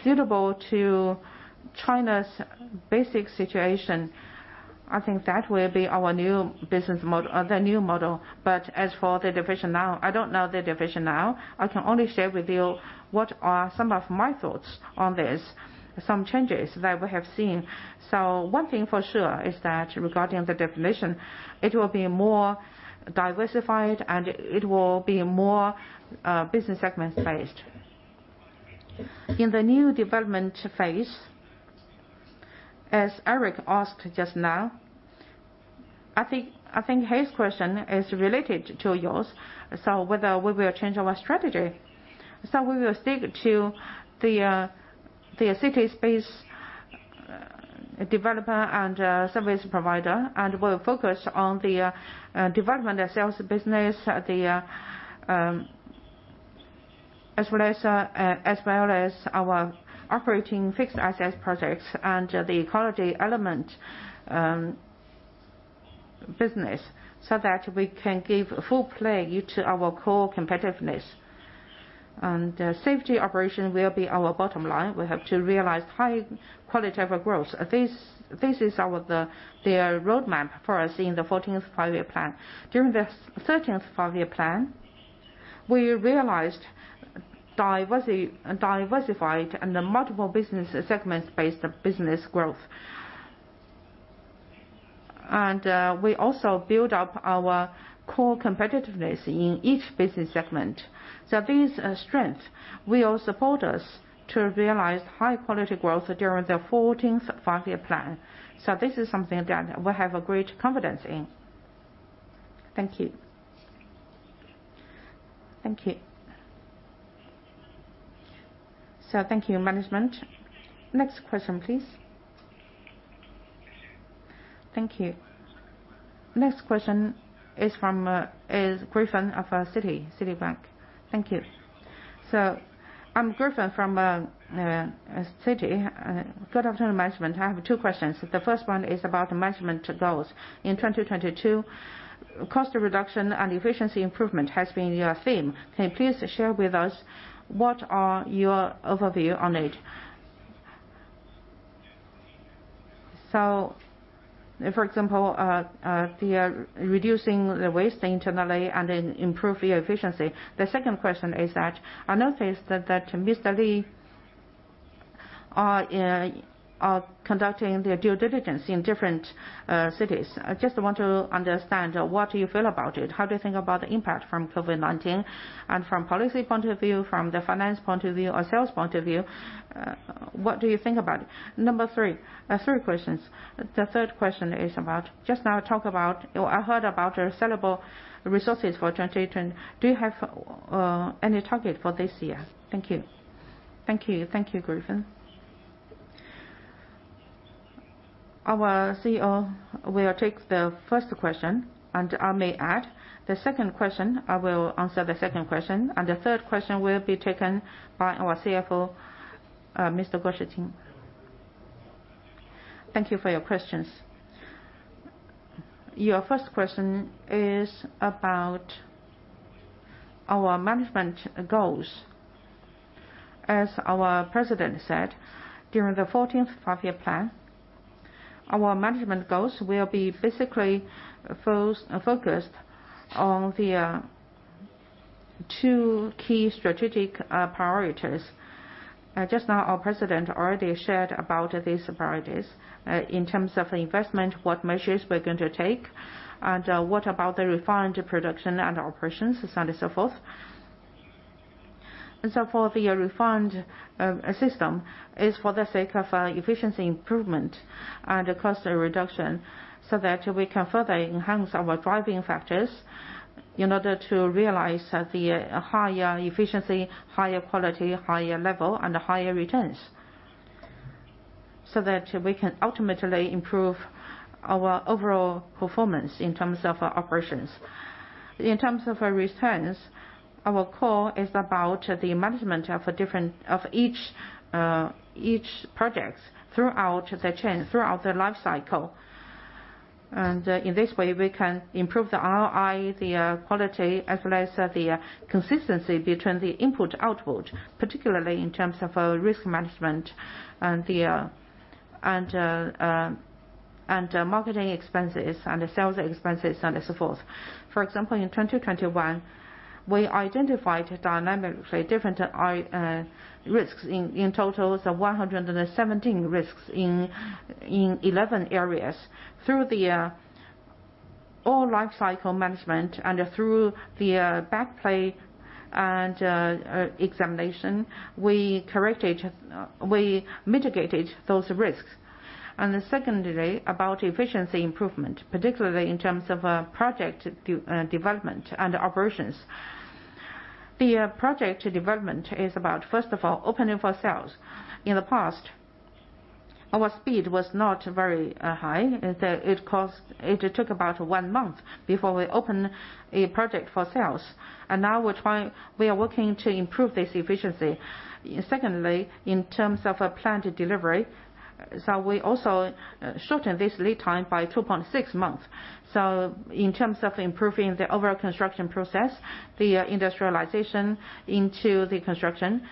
suitable to China's basic situation. I think that will be our new business the new model. But as for the definition now, I don't know the definition now. I can only share with you what are some of my thoughts on this, some changes that we have seen. One thing for sure is that regarding the definition, it will be more diversified and it will be more, business segment based. In the new development phase, as Eric asked just now, I think his question is related to yours, so whether we will change our strategy. We will stick to the city space developer and service provider, and we'll focus on the Development and Sales business, as well as our operating fixed assets projects and the quality element business, so that we can give full play to our core competitiveness. Safety operation will be our bottom line. We have to realize high quality of our growth. This is our roadmap for us in the 14th Five-Year Plan. During the 13th Five-Year Plan, we realized diversified and the multiple business segments based business growth. We also build up our core competitiveness in each business segment. These strength will support us to realize high quality growth during the 14th Five-Year Plan. This is something that we have a great confidence in. Thank you. Thank you. Thank you, management. Next question, please. Thank you. Next question is from Griffin of Citi, Citibank. Thank you. I'm Griffin from Citi. Good afternoon, management. I have two questions. The first one is about the management goals. In 2022, cost reduction and efficiency improvement has been your theme. Can you please share with us what are your overview on it? For example, reducing the waste internally and then improve your efficiency. The second question is that I noticed that Mr. Li are conducting their due diligence in different cities. I just want to understand what do you feel about it? How do you think about the impact from COVID-19 and from policy point of view, from the finance point of view or sales point of view, what do you think about it? Number three. Three questions. The third question is about just now talk about or I heard about your sellable resources for 2018. Do you have any target for this year? Thank you. Thank you. Thank you, Griffin. Our CEO will take the first question, and I may add the second question. I will answer the second question, and the third question will be taken by our CFO, Mr. Guo Shiqing. Thank you for your questions. Your first question is about our management goals. As our president said, during the 14th Five-Year Plan, our management goals will be basically focused on the two key strategic priorities. Just now our president already shared about these priorities in terms of investment, what measures we're going to take, and what about the refined production and operations and so forth. For the refined system is for the sake of efficiency improvement and cost reduction, so that we can further enhance our driving factors in order to realize the higher efficiency, higher quality, higher level and higher returns. That we can ultimately improve our overall performance in terms of our operations. In terms of our returns, our call is about the management of each projects throughout the chain, throughout the life cycle. In this way, we can improve the ROI, the quality, as well as the consistency between the input, output, particularly in terms of risk management and the marketing expenses and the sales expenses and so forth. For example, in 2021, we identified dynamically different risks in total of 117 risks in 11 areas. Through the all life cycle management and through the back play and examination, we mitigated those risks. Secondly, about efficiency improvement, particularly in terms of project development and operations. The project development is about, first of all, opening for sales. In the past, our speed was not very high. It took about one month before we opened a project for sales. Now we are working to improve this efficiency. Secondly, in terms of a planned delivery. We also shorten this lead time by 2.6 months. In terms of improving the overall construction process, the industrialization into the construction,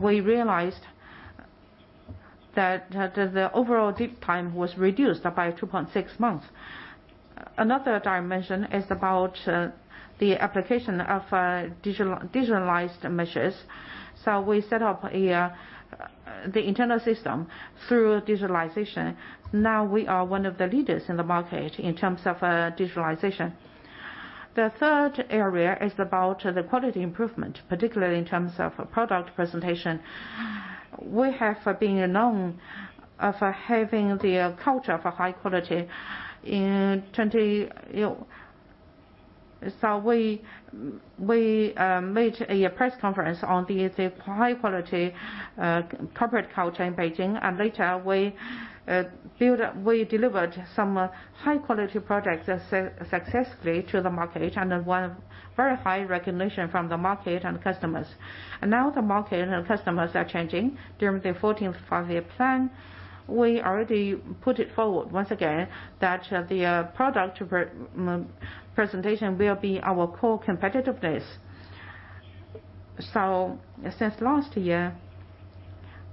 we realized that the overall lead time was reduced by 2.6 months. Another dimension is about the application of digitalized measures. We set up the internal system through digitalization. Now we are one of the leaders in the market in terms of digitalization. The third area is about the quality improvement, particularly in terms of product presentation. We have been known of having the culture of high quality. We made a press conference on the high quality corporate culture in Beijing, and later we delivered some high-quality projects successfully to the market and won very high recognition from the market and customers. Now the market and customers are changing during the 14th Five-Year Plan. We already put it forward once again that the product presentation will be our core competitiveness. Since last year,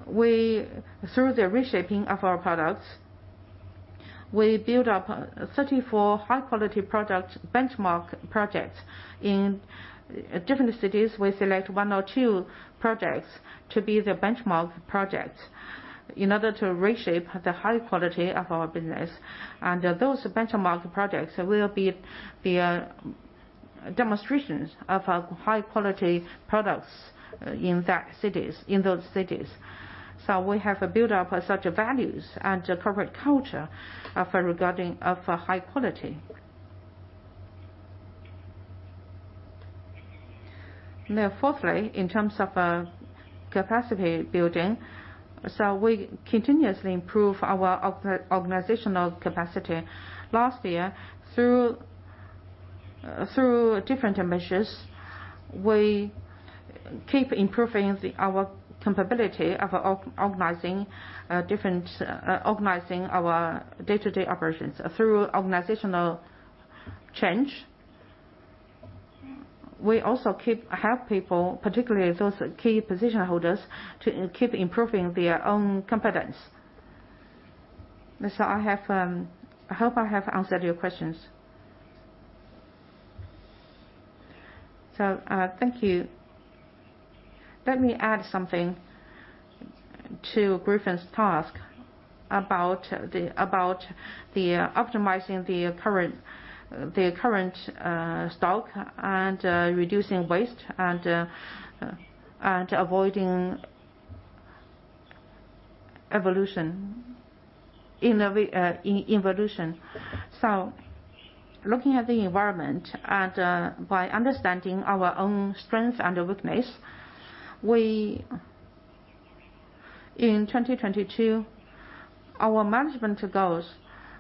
we, through the reshaping of our products, built up 34 high-quality product benchmark projects. In different cities, we select one or two projects to be the benchmark projects in order to reshape the high quality of our business. Those benchmark projects will be the demonstrations of our high-quality products in those cities. We have built up such values and corporate culture for regarding of high quality. Now fourthly, in terms of capacity building. We continuously improve our organizational capacity. Last year, through different measures, we keep improving our capability of organizing differently our day-to-day operations through organizational change. We also help people, particularly those key position holders, to keep improving their own competence. I hope I have answered your questions. Thank you. Let me add something to Griffin's task about optimizing the current stock and reducing waste and avoiding involution. Looking at the environment and by understanding our own strength and weakness, we... In 2022, our management goals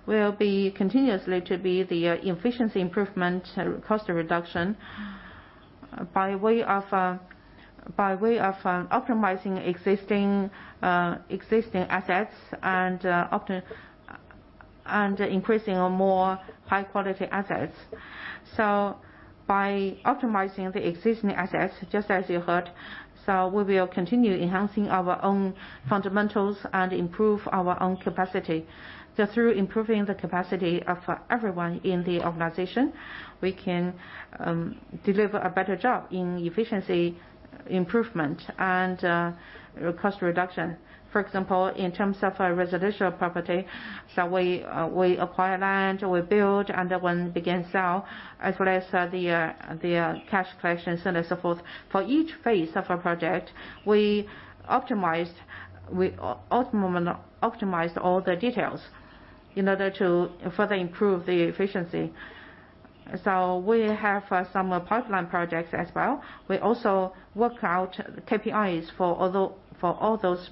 will be continuously to be the efficiency improvement, cost reduction by way of optimizing existing assets and increasing on more high-quality assets. By optimizing the existing assets, just as you heard, we will continue enhancing our own fundamentals and improve our own capacity. Through improving the capacity of everyone in the organization, we can deliver a better job in efficiency improvement and cost reduction. For example, in terms of a residential property, we acquire land, we build, and then we begin to sell, as well as the cash collections and so forth. For each phase of a project, we optimize all the details in order to further improve the efficiency. We have some pipeline projects as well. We also work out KPIs for all those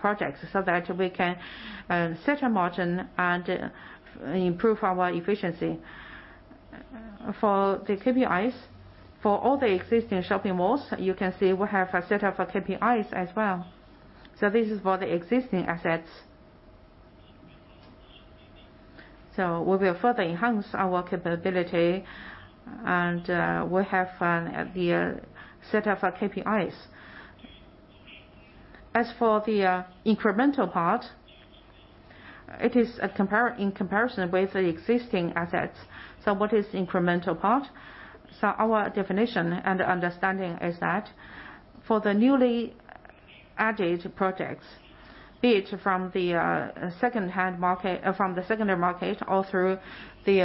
projects so that we can set a margin and improve our efficiency. For the KPIs, for all the existing shopping malls, you can see we have a set of KPIs as well. This is for the existing assets. We will further enhance our capability, and we have the set of KPIs. As for the incremental part, it is in comparison with the existing assets. What is the incremental part? Our definition and understanding is that for the newly added projects, be it from the secondary market, from the secondary market or through the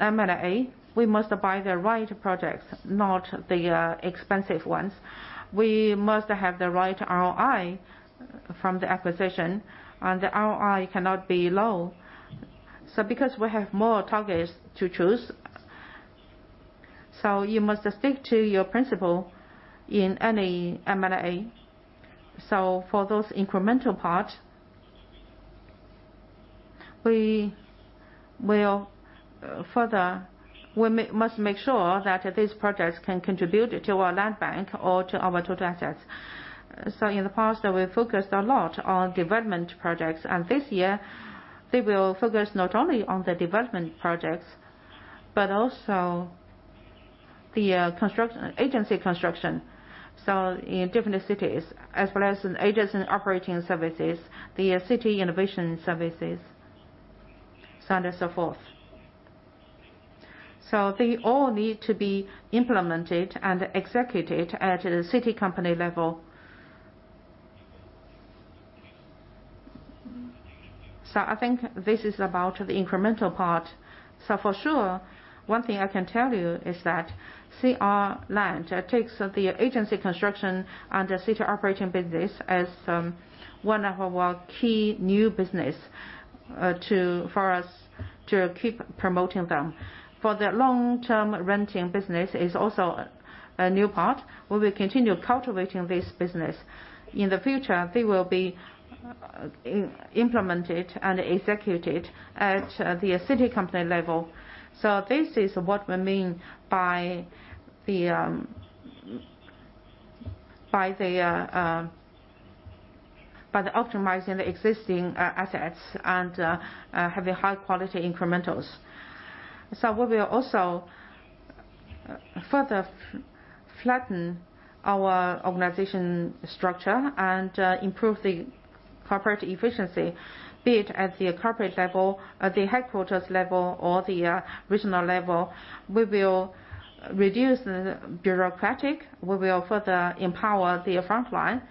M&A, we must buy the right projects, not the expensive ones. We must have the right ROI from the acquisition, and the ROI cannot be low. Because we have more targets to choose, you must stick to your principle in any M&A. For those incremental part, we must make sure that these projects can contribute to our land bank or to our total assets. In the past, we focused a lot on development projects, and this year, we will focus not only on the development projects, but also the agency construction, so in different cities, as well as in agents and operating services, the city innovation services, so on and so forth. They all need to be implemented and executed at the city company level. I think this is about the incremental part. For sure, one thing I can tell you is that CR Land takes the agency construction and the city operating business as one of our key new business for us to keep promoting them. The long-term rental business is also a new part. We will continue cultivating this business. In the future, they will be implemented and executed at the city company level. This is what we mean by optimizing the existing assets and having high-quality incrementals. We will also further flatten our organization structure and improve the corporate efficiency, be it at the corporate level, at the headquarters level, or the regional level. We will reduce the bureaucracy. We will further empower the frontline.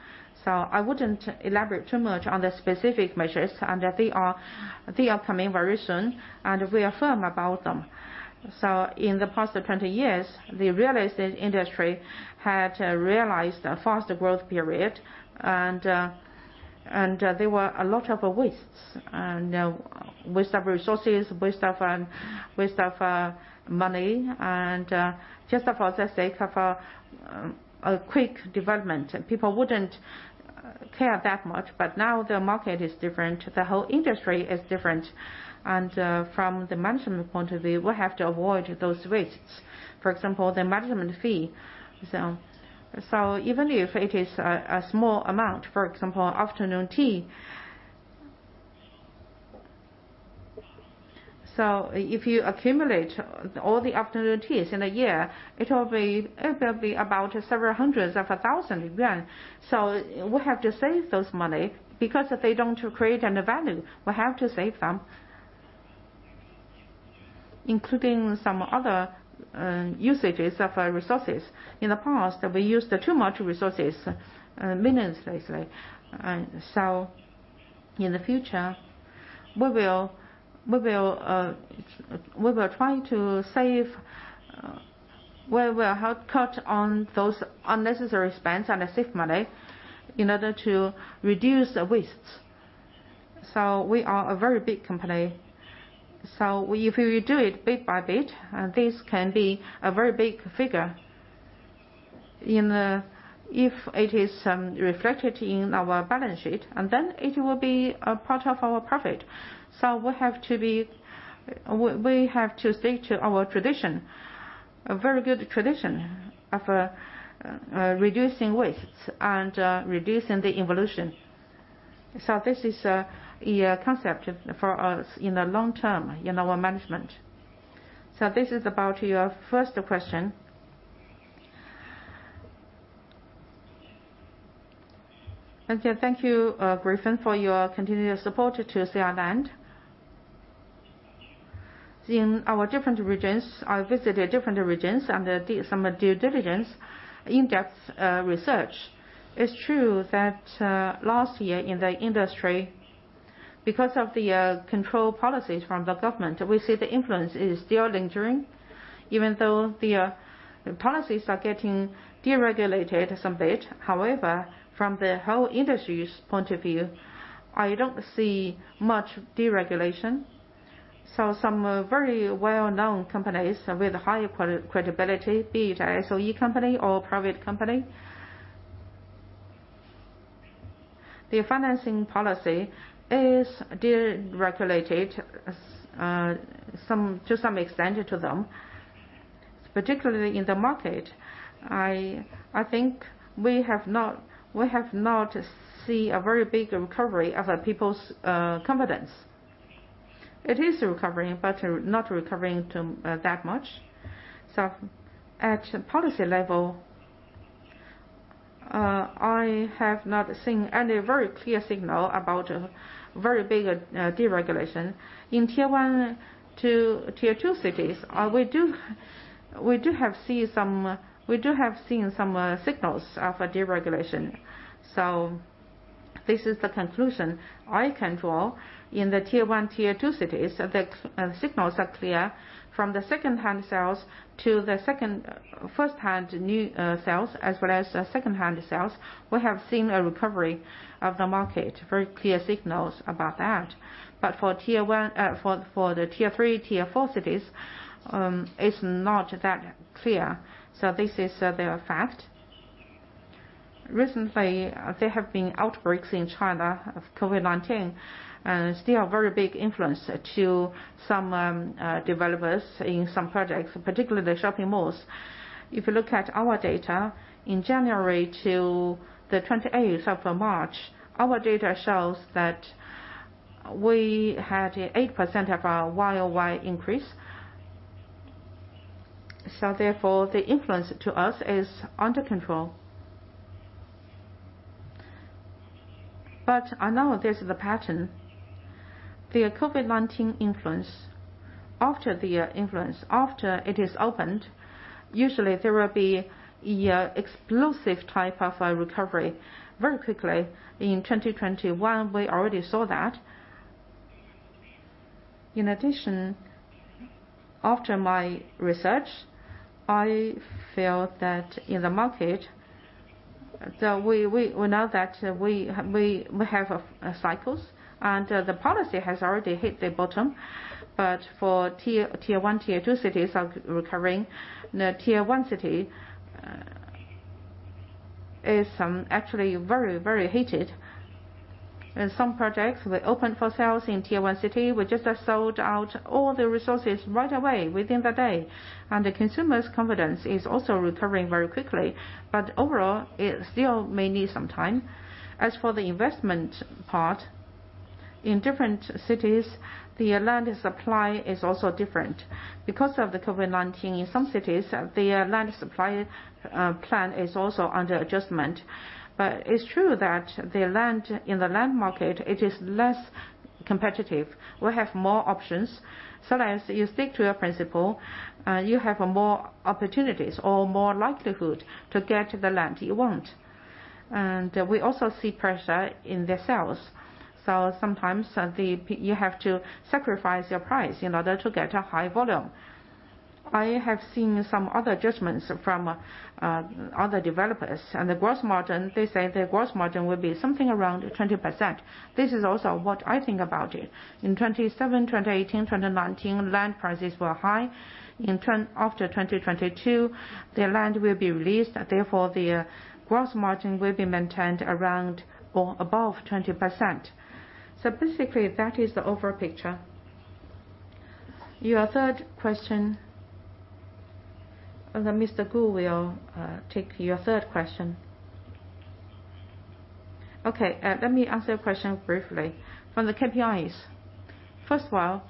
I wouldn't elaborate too much on the specific measures, and they are coming very soon, and we are firm about them. In the past 20 years, the real estate industry had realized a faster growth period, and there were a lot of wastes, and waste of resources, waste of money, and just for the sake of a quick development. People wouldn't care that much, but now the market is different, the whole industry is different. From the management point of view, we have to avoid those risks. For example, the management fee. Even if it is a small amount, for example, afternoon tea. If you accumulate all the afternoon teas in a year, it will be about several hundreds of a thousand yuan. We have to save those money because they don't create any value. We have to save them. Including some other usages of our resources. In the past, we used too much resources meaninglessly. In the future, we will help cut on those unnecessary spends and save money in order to reduce the wastes. We are a very big company. If you do it bit by bit, this can be a very big figure in if it is reflected in our balance sheet, and then it will be a part of our profit. We have to stick to our tradition, a very good tradition of reducing waste and reducing the pollution. This is a concept for us in the long term in our management. This is about your first question. Thank you, Griffin, for your continued support to choose CR Land. In our different regions, I visited different regions and did some due diligence in-depth research. It's true that last year in the industry, because of the control policies from the government, we see the influence is still lingering. Even though the policies are getting deregulated a bit. However, from the whole industry's point of view, I don't see much deregulation. Some very well-known companies with high credibility, be it a SOE company or private company. The financing policy is deregulated, some, to some extent to them. Particularly in the market, I think we have not seen a very big recovery of people's confidence. It is recovering, but not recovering to that much. At policy level, I have not seen any very clear signal about a very big deregulation. In Tier 1 to Tier 2 cities, we have seen some signals of a deregulation. This is the conclusion I can draw. In the Tier 1, Tier 2 cities, the signals are clear. From the secondhand sales to the firsthand new sales as well as secondhand sales, we have seen a recovery of the market, very clear signals about that. But for the Tier 3, Tier 4 cities, it's not that clear. This is the fact. Recently, there have been outbreaks in China of COVID-19, and still a very big influence to some developers in some projects, particularly the shopping malls. If you look at our data, in January to the 28th of March, our data shows that we had an 8% Y-o-Y increase. Therefore, the influence to us is under control. I know this is the pattern. The COVID-19 influence, after it is opened, usually there will be an explosive type of a recovery very quickly. In 2021, we already saw that. In addition, after my research, I feel that in the market we know that we have cycles and the policy has already hit the bottom. For Tier 1, Tier 2 cities are recovering. The Tier 1 city is actually very, very heated. In some projects, we opened for sales in Tier 1 city. We just sold out all the resources right away within the day. The consumer's confidence is also recovering very quickly. Overall, it still may need some time. As for the investment part, in different cities, the land supply is also different. Because of the COVID-19, in some cities, the land supply plan is also under adjustment. It's true that the land in the land market, it is less competitive. We have more options. As you stick to your principle, you have more opportunities or more likelihood to get the land you want. We also see pressure in the sales. Sometimes, you have to sacrifice your price in order to get a high volume. I have seen some other adjustments from other developers. The gross margin, they say the gross margin will be something around 20%. This is also what I think about it. In 2017, 2018, 2019, land prices were high. In turn, after 2022, the land will be released. Therefore, the gross margin will be maintained around or above 20%. Basically, that is the overall picture. Your third question. Mr. Guo will take your third question. Okay, let me answer your question briefly. From the KPIs. First of all,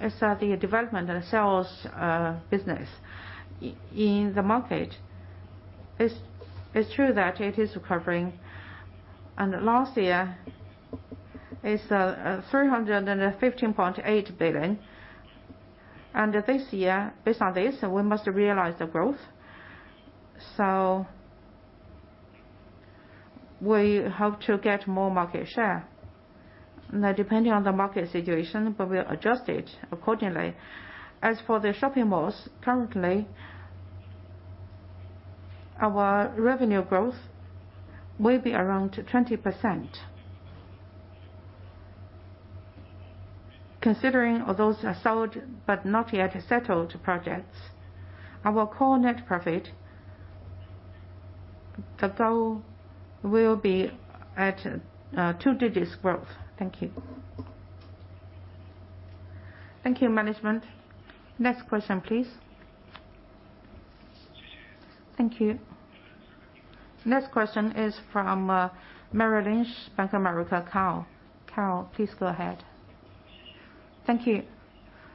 it is true that the Development and Sales business in the market is recovering. Last year was 315.8 billion. This year, based on this, we must realize the growth. We have to get more market share. Now, depending on the market situation, but we adjust accordingly. As for the shopping malls, currently, our revenue growth will be around 20%. Considering all those sold but not yet settled projects, our core net profit, the goal will be at double-digit growth. Thank you. Thank you, management. Next question, please. Thank you. Next question is from Merrill Lynch, Bank of America, Carol. Carol, please go ahead. Thank you.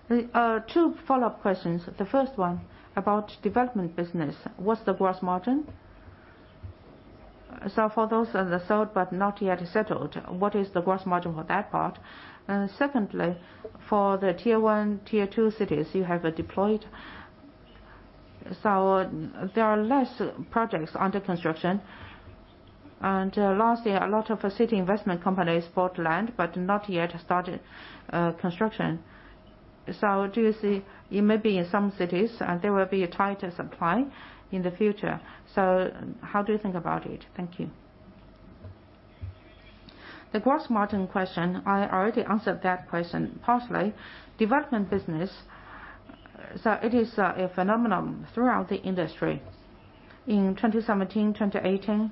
The two follow-up questions. The first one about development business. What's the gross margin? For those that are sold but not yet settled, what is the gross margin for that part? Secondly, for the Tier 1, Tier 2 cities you have deployed. There are less projects under construction. Last year, a lot of city investment companies bought land, but not yet started construction. Do you see it may be in some cities and there will be a tighter supply in the future? How do you think about it? Thank you. The gross margin question, I already answered that question partially. Development business, it is a phenomenon throughout the industry. In 2017, 2018,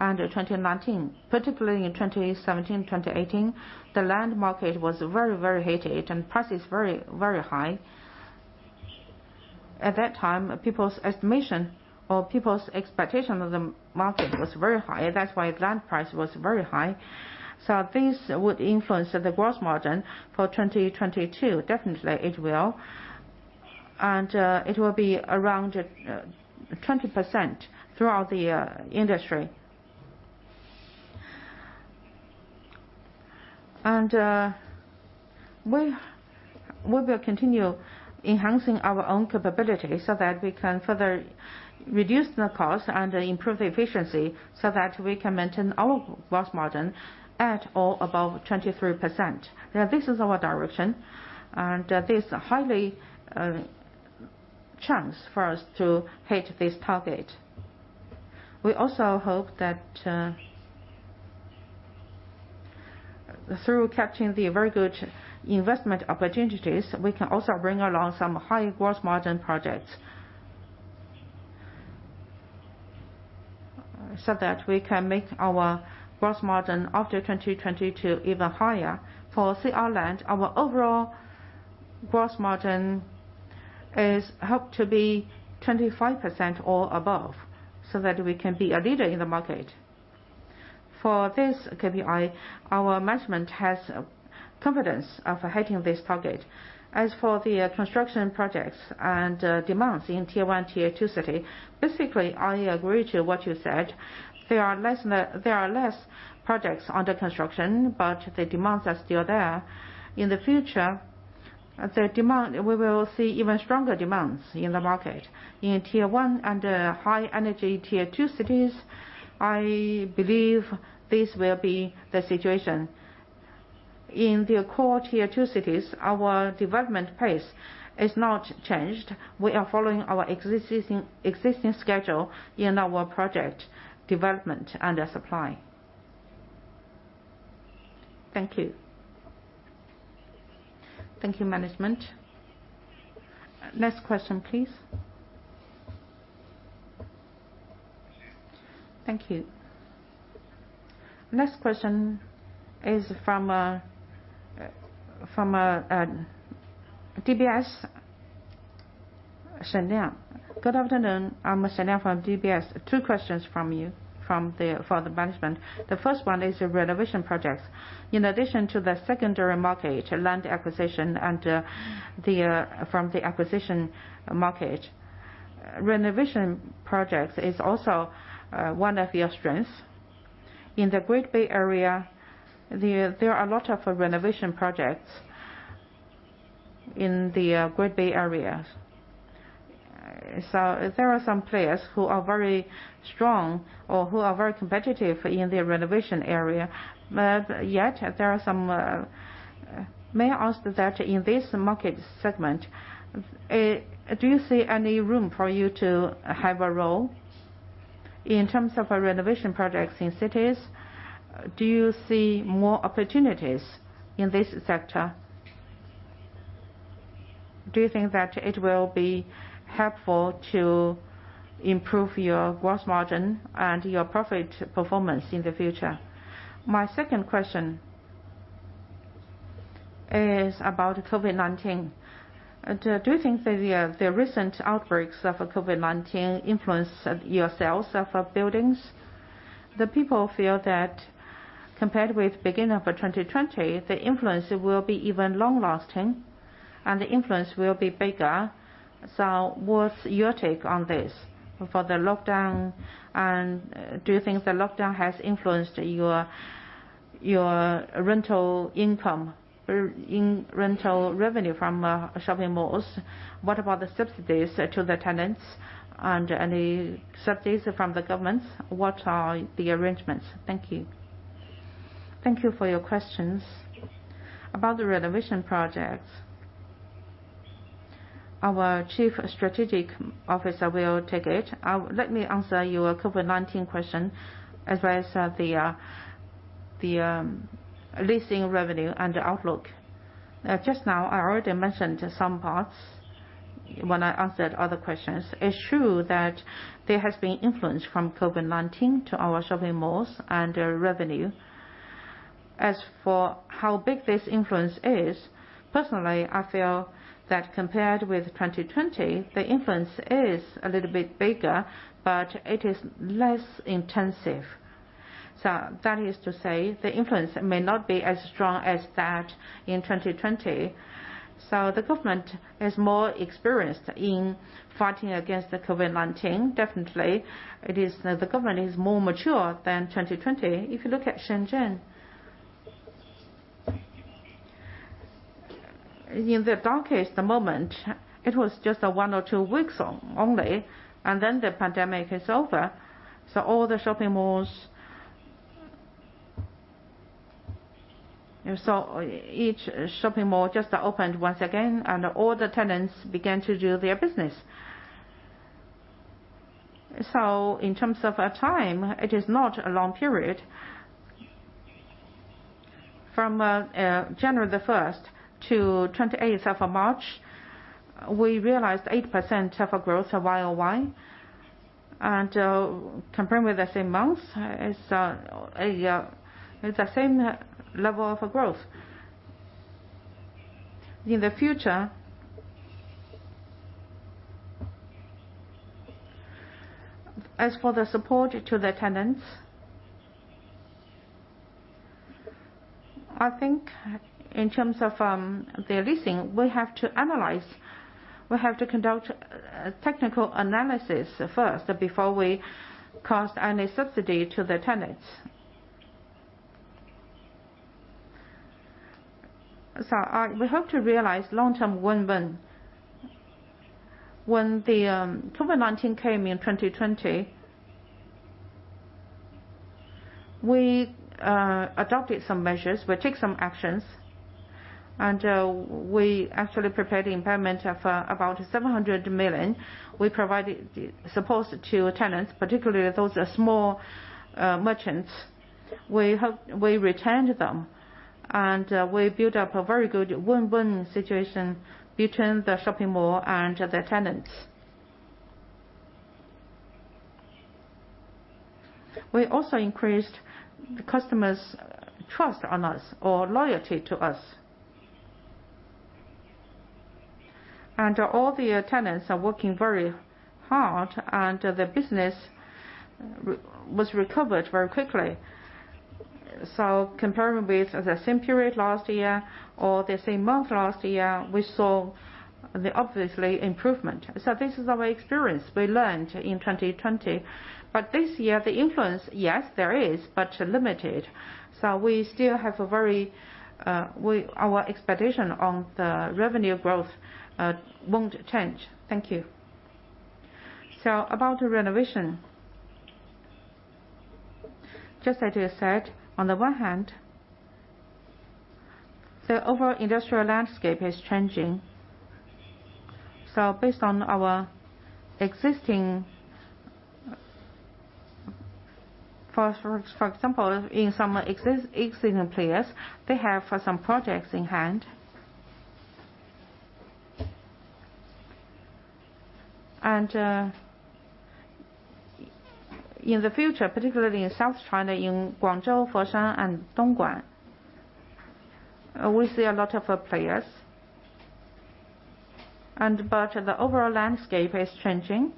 and 2019, particularly in 2017, 2018, the land market was very, very heated and prices very, very high. At that time, people's estimation or people's expectation of the market was very high. That's why land price was very high. This would influence the gross margin for 2022. Definitely, it will. It will be around 20% throughout the industry. We will continue enhancing our own capability so that we can further reduce the cost and improve efficiency so that we can maintain our gross margin at or above 23%. This is our direction, and there's high chance for us to hit this target. We also hope that through capturing the very good investment opportunities, we can also bring along some high gross margin projects. That we can make our gross margin after 2022 even higher. For CR Land, our overall gross margin is hoped to be 25% or above so that we can be a leader in the market. For this KPI, our management has confidence of hitting this target. As for the construction projects and demands in Tier 1, Tier 2 city, basically, I agree to what you said. There are less projects under construction, but the demands are still there. In the future, the demand, we will see even stronger demands in the market. In Tier 1 and high-end Tier 2 cities, I believe this will be the situation. In the core Tier 2 cities, our development pace is not changed. We are following our existing schedule in our project development and our supply. Thank you. Thank you, management. Next question, please. Thank you. Next question is from DBS, Shen Liang. Good afternoon. I'm Shen Liang from DBS. Two questions from the for the management. The first one is renovation projects. In addition to the secondary market, land acquisition and from the acquisition market, renovation projects is also one of your strengths. In the Greater Bay Area, there are a lot of renovation projects in the Greater Bay Area. So there are some players who are very strong or who are very competitive in the renovation area, but yet there are some. May I ask that in this market segment, do you see any room for you to have a role in terms of renovation projects in cities? Do you see more opportunities in this sector? Do you think that it will be helpful to improve your gross margin and your profit performance in the future? My second question is about COVID-19. Do you think the recent outbreaks of COVID-19 influenced your sales of buildings? The people feel that compared with beginning of 2020, the influence will be even long-lasting and bigger. What's your take on this for the lockdown, and do you think the lockdown has influenced your rental income or rental revenue from shopping malls? What about the subsidies to the tenants and any subsidies from the government? What are the arrangements? Thank you. Thank you for your questions. About the renovation projects, our Chief Strategic Officer will take it. Let me answer your COVID-19 question, as well as the leasing revenue and the outlook. Just now, I already mentioned some parts when I answered other questions. It's true that there has been influence from COVID-19 to our shopping malls and revenue. As for how big this influence is, personally, I feel that compared with 2020, the influence is a little bit bigger, but it is less intensive. That is to say the influence may not be as strong as that in 2020. The government is more experienced in fighting against the COVID-19. Definitely, the government is more mature than 2020. If you look at Shenzhen, in the darkest moment, it was just one or two weeks only, and then the pandemic is over. All the shopping malls each shopping mall just opened once again and all the tenants began to do their business. In terms of time, it is not a long period. From January 1st to March 28th, we realized 8% of a growth Y-o-Y. Compared with the same month, it's the same level of growth. In the future, as for the support to the tenants, I think in terms of the leasing, we have to analyze, we have to conduct technical analysis first before we cause any subsidy to the tenants. We hope to realize long-term win-win. When COVID-19 came in 2020, we adopted some measures. We take some actions, and we actually prepared the impairment of about 700 million. We provided support to tenants, particularly those small merchants. We retained them, and we built up a very good win-win situation between the shopping mall and the tenants. We also increased the customers' trust on us or loyalty to us. All the tenants are working very hard and the business was recovered very quickly. Comparing with the same period last year or the same month last year, we saw the obvious improvement. This is our experience we learned in 2020. This year, the influence, yes, there is, but limited. We still have a very, our expectation on the revenue growth, won't change. Thank you. About renovation. Just as you said, on the one hand, the overall industrial landscape is changing. Based on our existing, for example, in some existing players, they have some projects in hand. In the future, particularly in South China, in Guangzhou, Foshan, and Dongguan, we see a lot of players but the overall landscape is changing.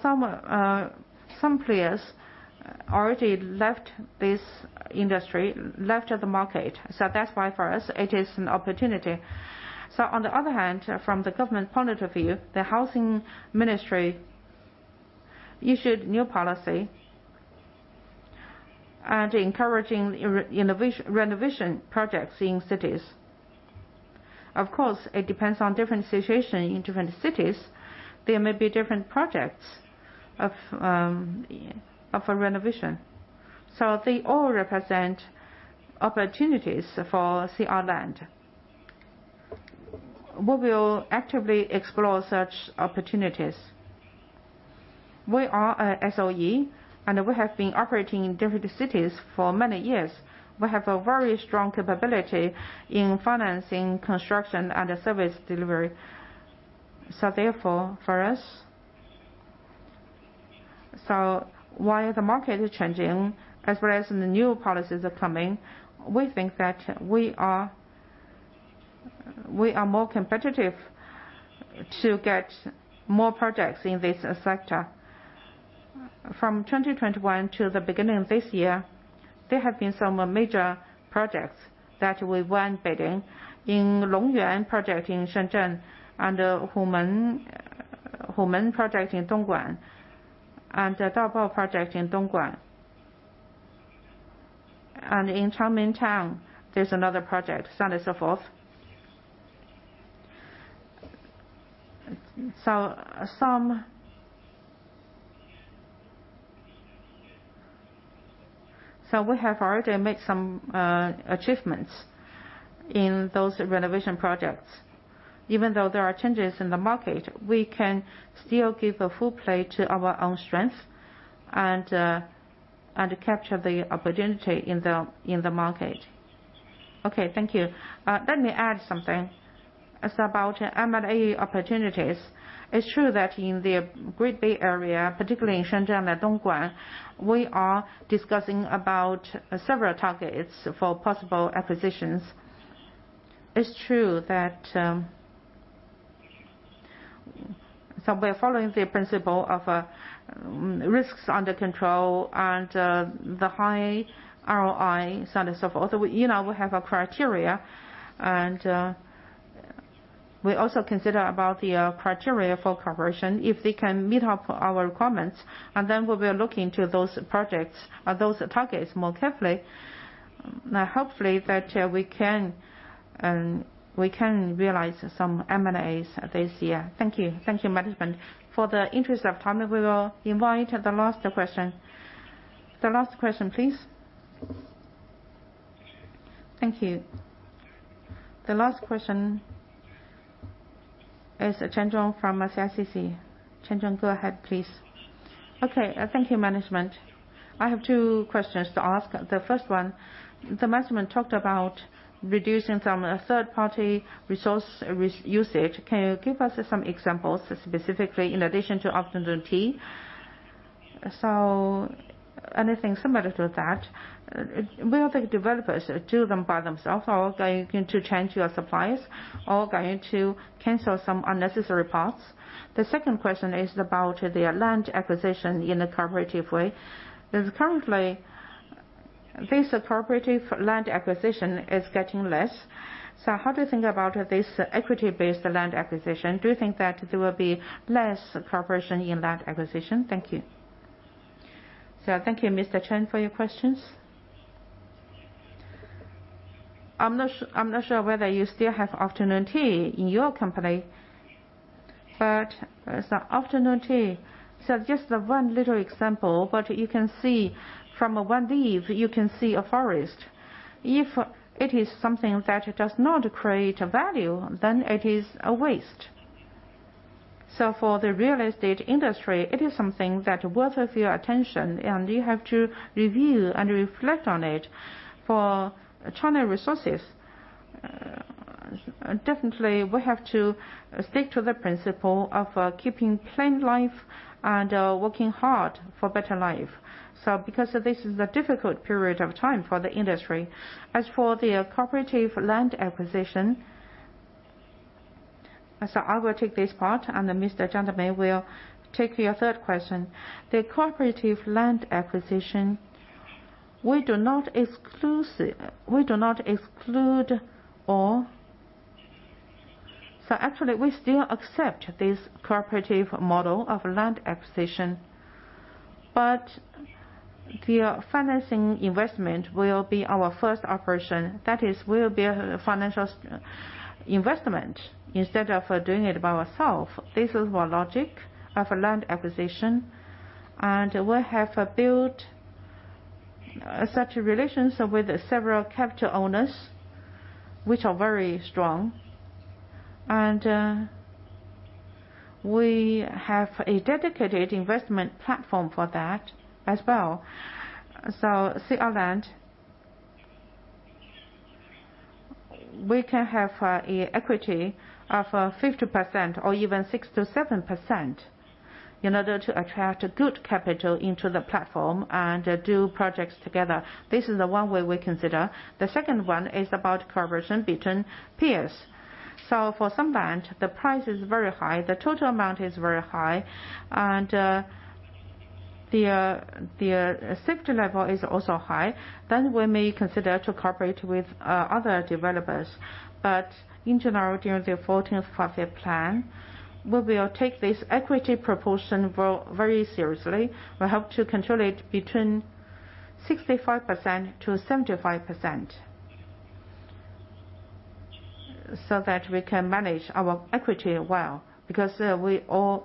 Some players already left this industry, left the market. That's why for us it is an opportunity. On the other hand, from the government point of view, the Housing Ministry issued new policy and encouraging renovation projects in cities. Of course, it depends on different situation in different cities. There may be different projects of a renovation. They all represent opportunities for CR Land. We will actively explore such opportunities. We are a SOE, and we have been operating in different cities for many years. We have a very strong capability in financing, construction, and service delivery. Therefore, for us, while the market is changing, as well as the new policies are coming, we think that we are more competitive to get more projects in this sector. From 2021 to the beginning of this year, there have been some major projects that we won bidding. In Longyuan project in Shenzhen, Humen project in Dongguan, and Daojiao project in Dongguan. In Zhongming-Xiang, there's another project, so on and so forth. We have already made some achievements in those renovation projects. Even though there are changes in the market, we can still give a full play to our own strength and capture the opportunity in the market. Okay, thank you. Let me add something. It's about M&A opportunities. It's true that in the Greater Bay Area, particularly in Shenzhen and Dongguan, we are discussing about several targets for possible acquisitions. We're following the principle of risks under control and the high ROI, so on and so forth. You know, we have a criteria and we also consider about the criteria for conversion, if they can meet up our requirements, and then we will look into those projects or those targets more carefully. Now, hopefully that we can realize some M&As this year. Thank you. Thank you, management. For the interest of time, we will invite the last question. The last question, please. Thank you. The last question is Chen Zhong from CICC. Chen Zhong, go ahead, please. Okay, thank you, management. I have two questions to ask. The first one, the management talked about reducing some third-party resource usage. Can you give us some examples, specifically in addition to afternoon tea? So anything similar to that, will the developers do them by themselves or are going to change your suppliers or going to cancel some unnecessary parts? The second question is about the land acquisition in a cooperative way. Because currently, this cooperative land acquisition is getting less. How do you think about this equity-based land acquisition? Do you think that there will be less cooperation in land acquisition? Thank you. Thank you, Mr. Chen, for your questions. I'm not sure whether you still have afternoon tea in your company, but as the afternoon tea, just one little example, but you can see from one leaf, you can see a forest. If it is something that does not create value, then it is a waste. For the real estate industry, it is something that worth your attention, and you have to review and reflect on it. For China Resources, definitely, we have to stick to the principle of keeping plain life and working hard for better life. Because this is a difficult period of time for the industry. As for the cooperative land acquisition, I will take this part, and Mr. Zhang Dawei will take your third question. The cooperative land acquisition, we do not exclude all. Actually, we still accept this cooperative model of land acquisition. But the financial investment will be our first operation. That is, we'll be a financial investment instead of doing it by ourselves. This is our logic of land acquisition, and we have built such relations with several capital owners, which are very strong. We have a dedicated investment platform for that as well. See our land. We can have equity of 50% or even 67% in order to attract good capital into the platform and do projects together. This is the one way we consider. The second one is about cooperation between peers. For some land, the price is very high, the total amount is very high, and the safety level is also high, then we may consider to cooperate with other developers. In general, during the 14th Five-Year Plan, we will take this equity proportion very seriously. We have to control it between 65%-75%. That we can manage our equity well, because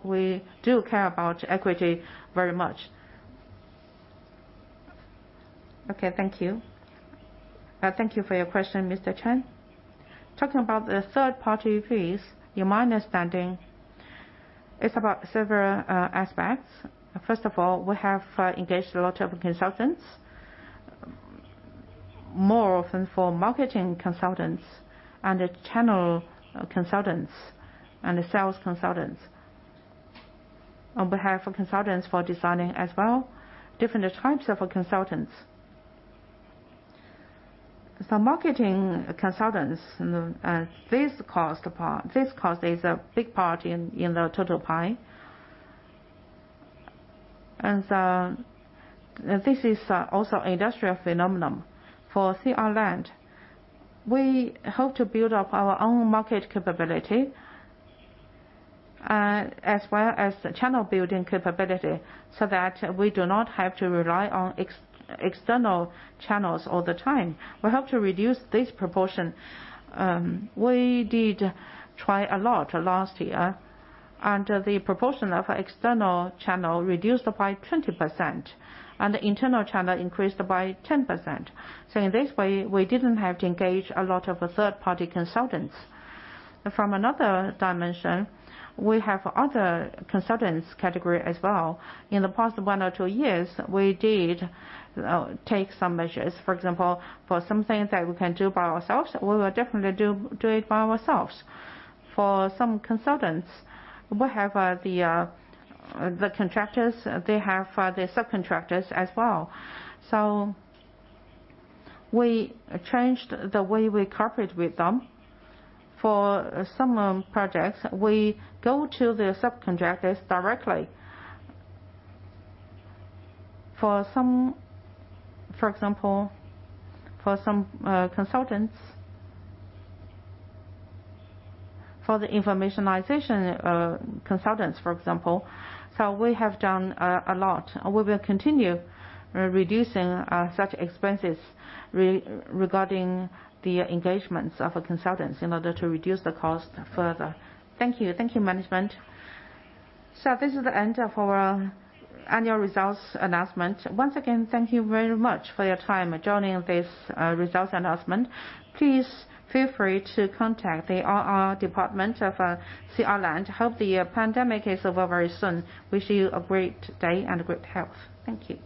we do care about equity very much. Okay, thank you. Thank you for your question, Mr. Chen. Talking about the third-party fees, in my understanding, it's about several aspects. First of all, we have engaged a lot of consultants, more often for marketing consultants and the channel consultants and the sales consultants. And also consultants for designing as well, different types of consultants. For marketing consultants, this cost is a big part in the total pie. This is also industrial phenomenon for CR Land. We hope to build up our own market capability, as well as the channel building capability so that we do not have to rely on external channels all the time. We have to reduce this proportion. We did try a lot last year, and the proportion of external channel reduced by 20% and the internal channel increased by 10%. In this way, we didn't have to engage a lot of third-party consultants. From another dimension, we have other consultants category as well. In the past one or two years, we did take some measures. For example, for something that we can do by ourselves, we will definitely do it by ourselves. For some consultants, we have the contractors, they have the subcontractors as well. We changed the way we cooperate with them. For some projects, we go to the subcontractors directly. For example, for some consultants, for the informatization consultants, for example. We have done a lot. We will continue reducing such expenses regarding the engagements of consultants in order to reduce the cost further. Thank you. Thank you, management. This is the end of our annual results announcement. Once again, thank you very much for your time joining this results announcement. Please feel free to contact the IR department of CR Land. Hope the pandemic is over very soon. Wish you a great day and great health. Thank you.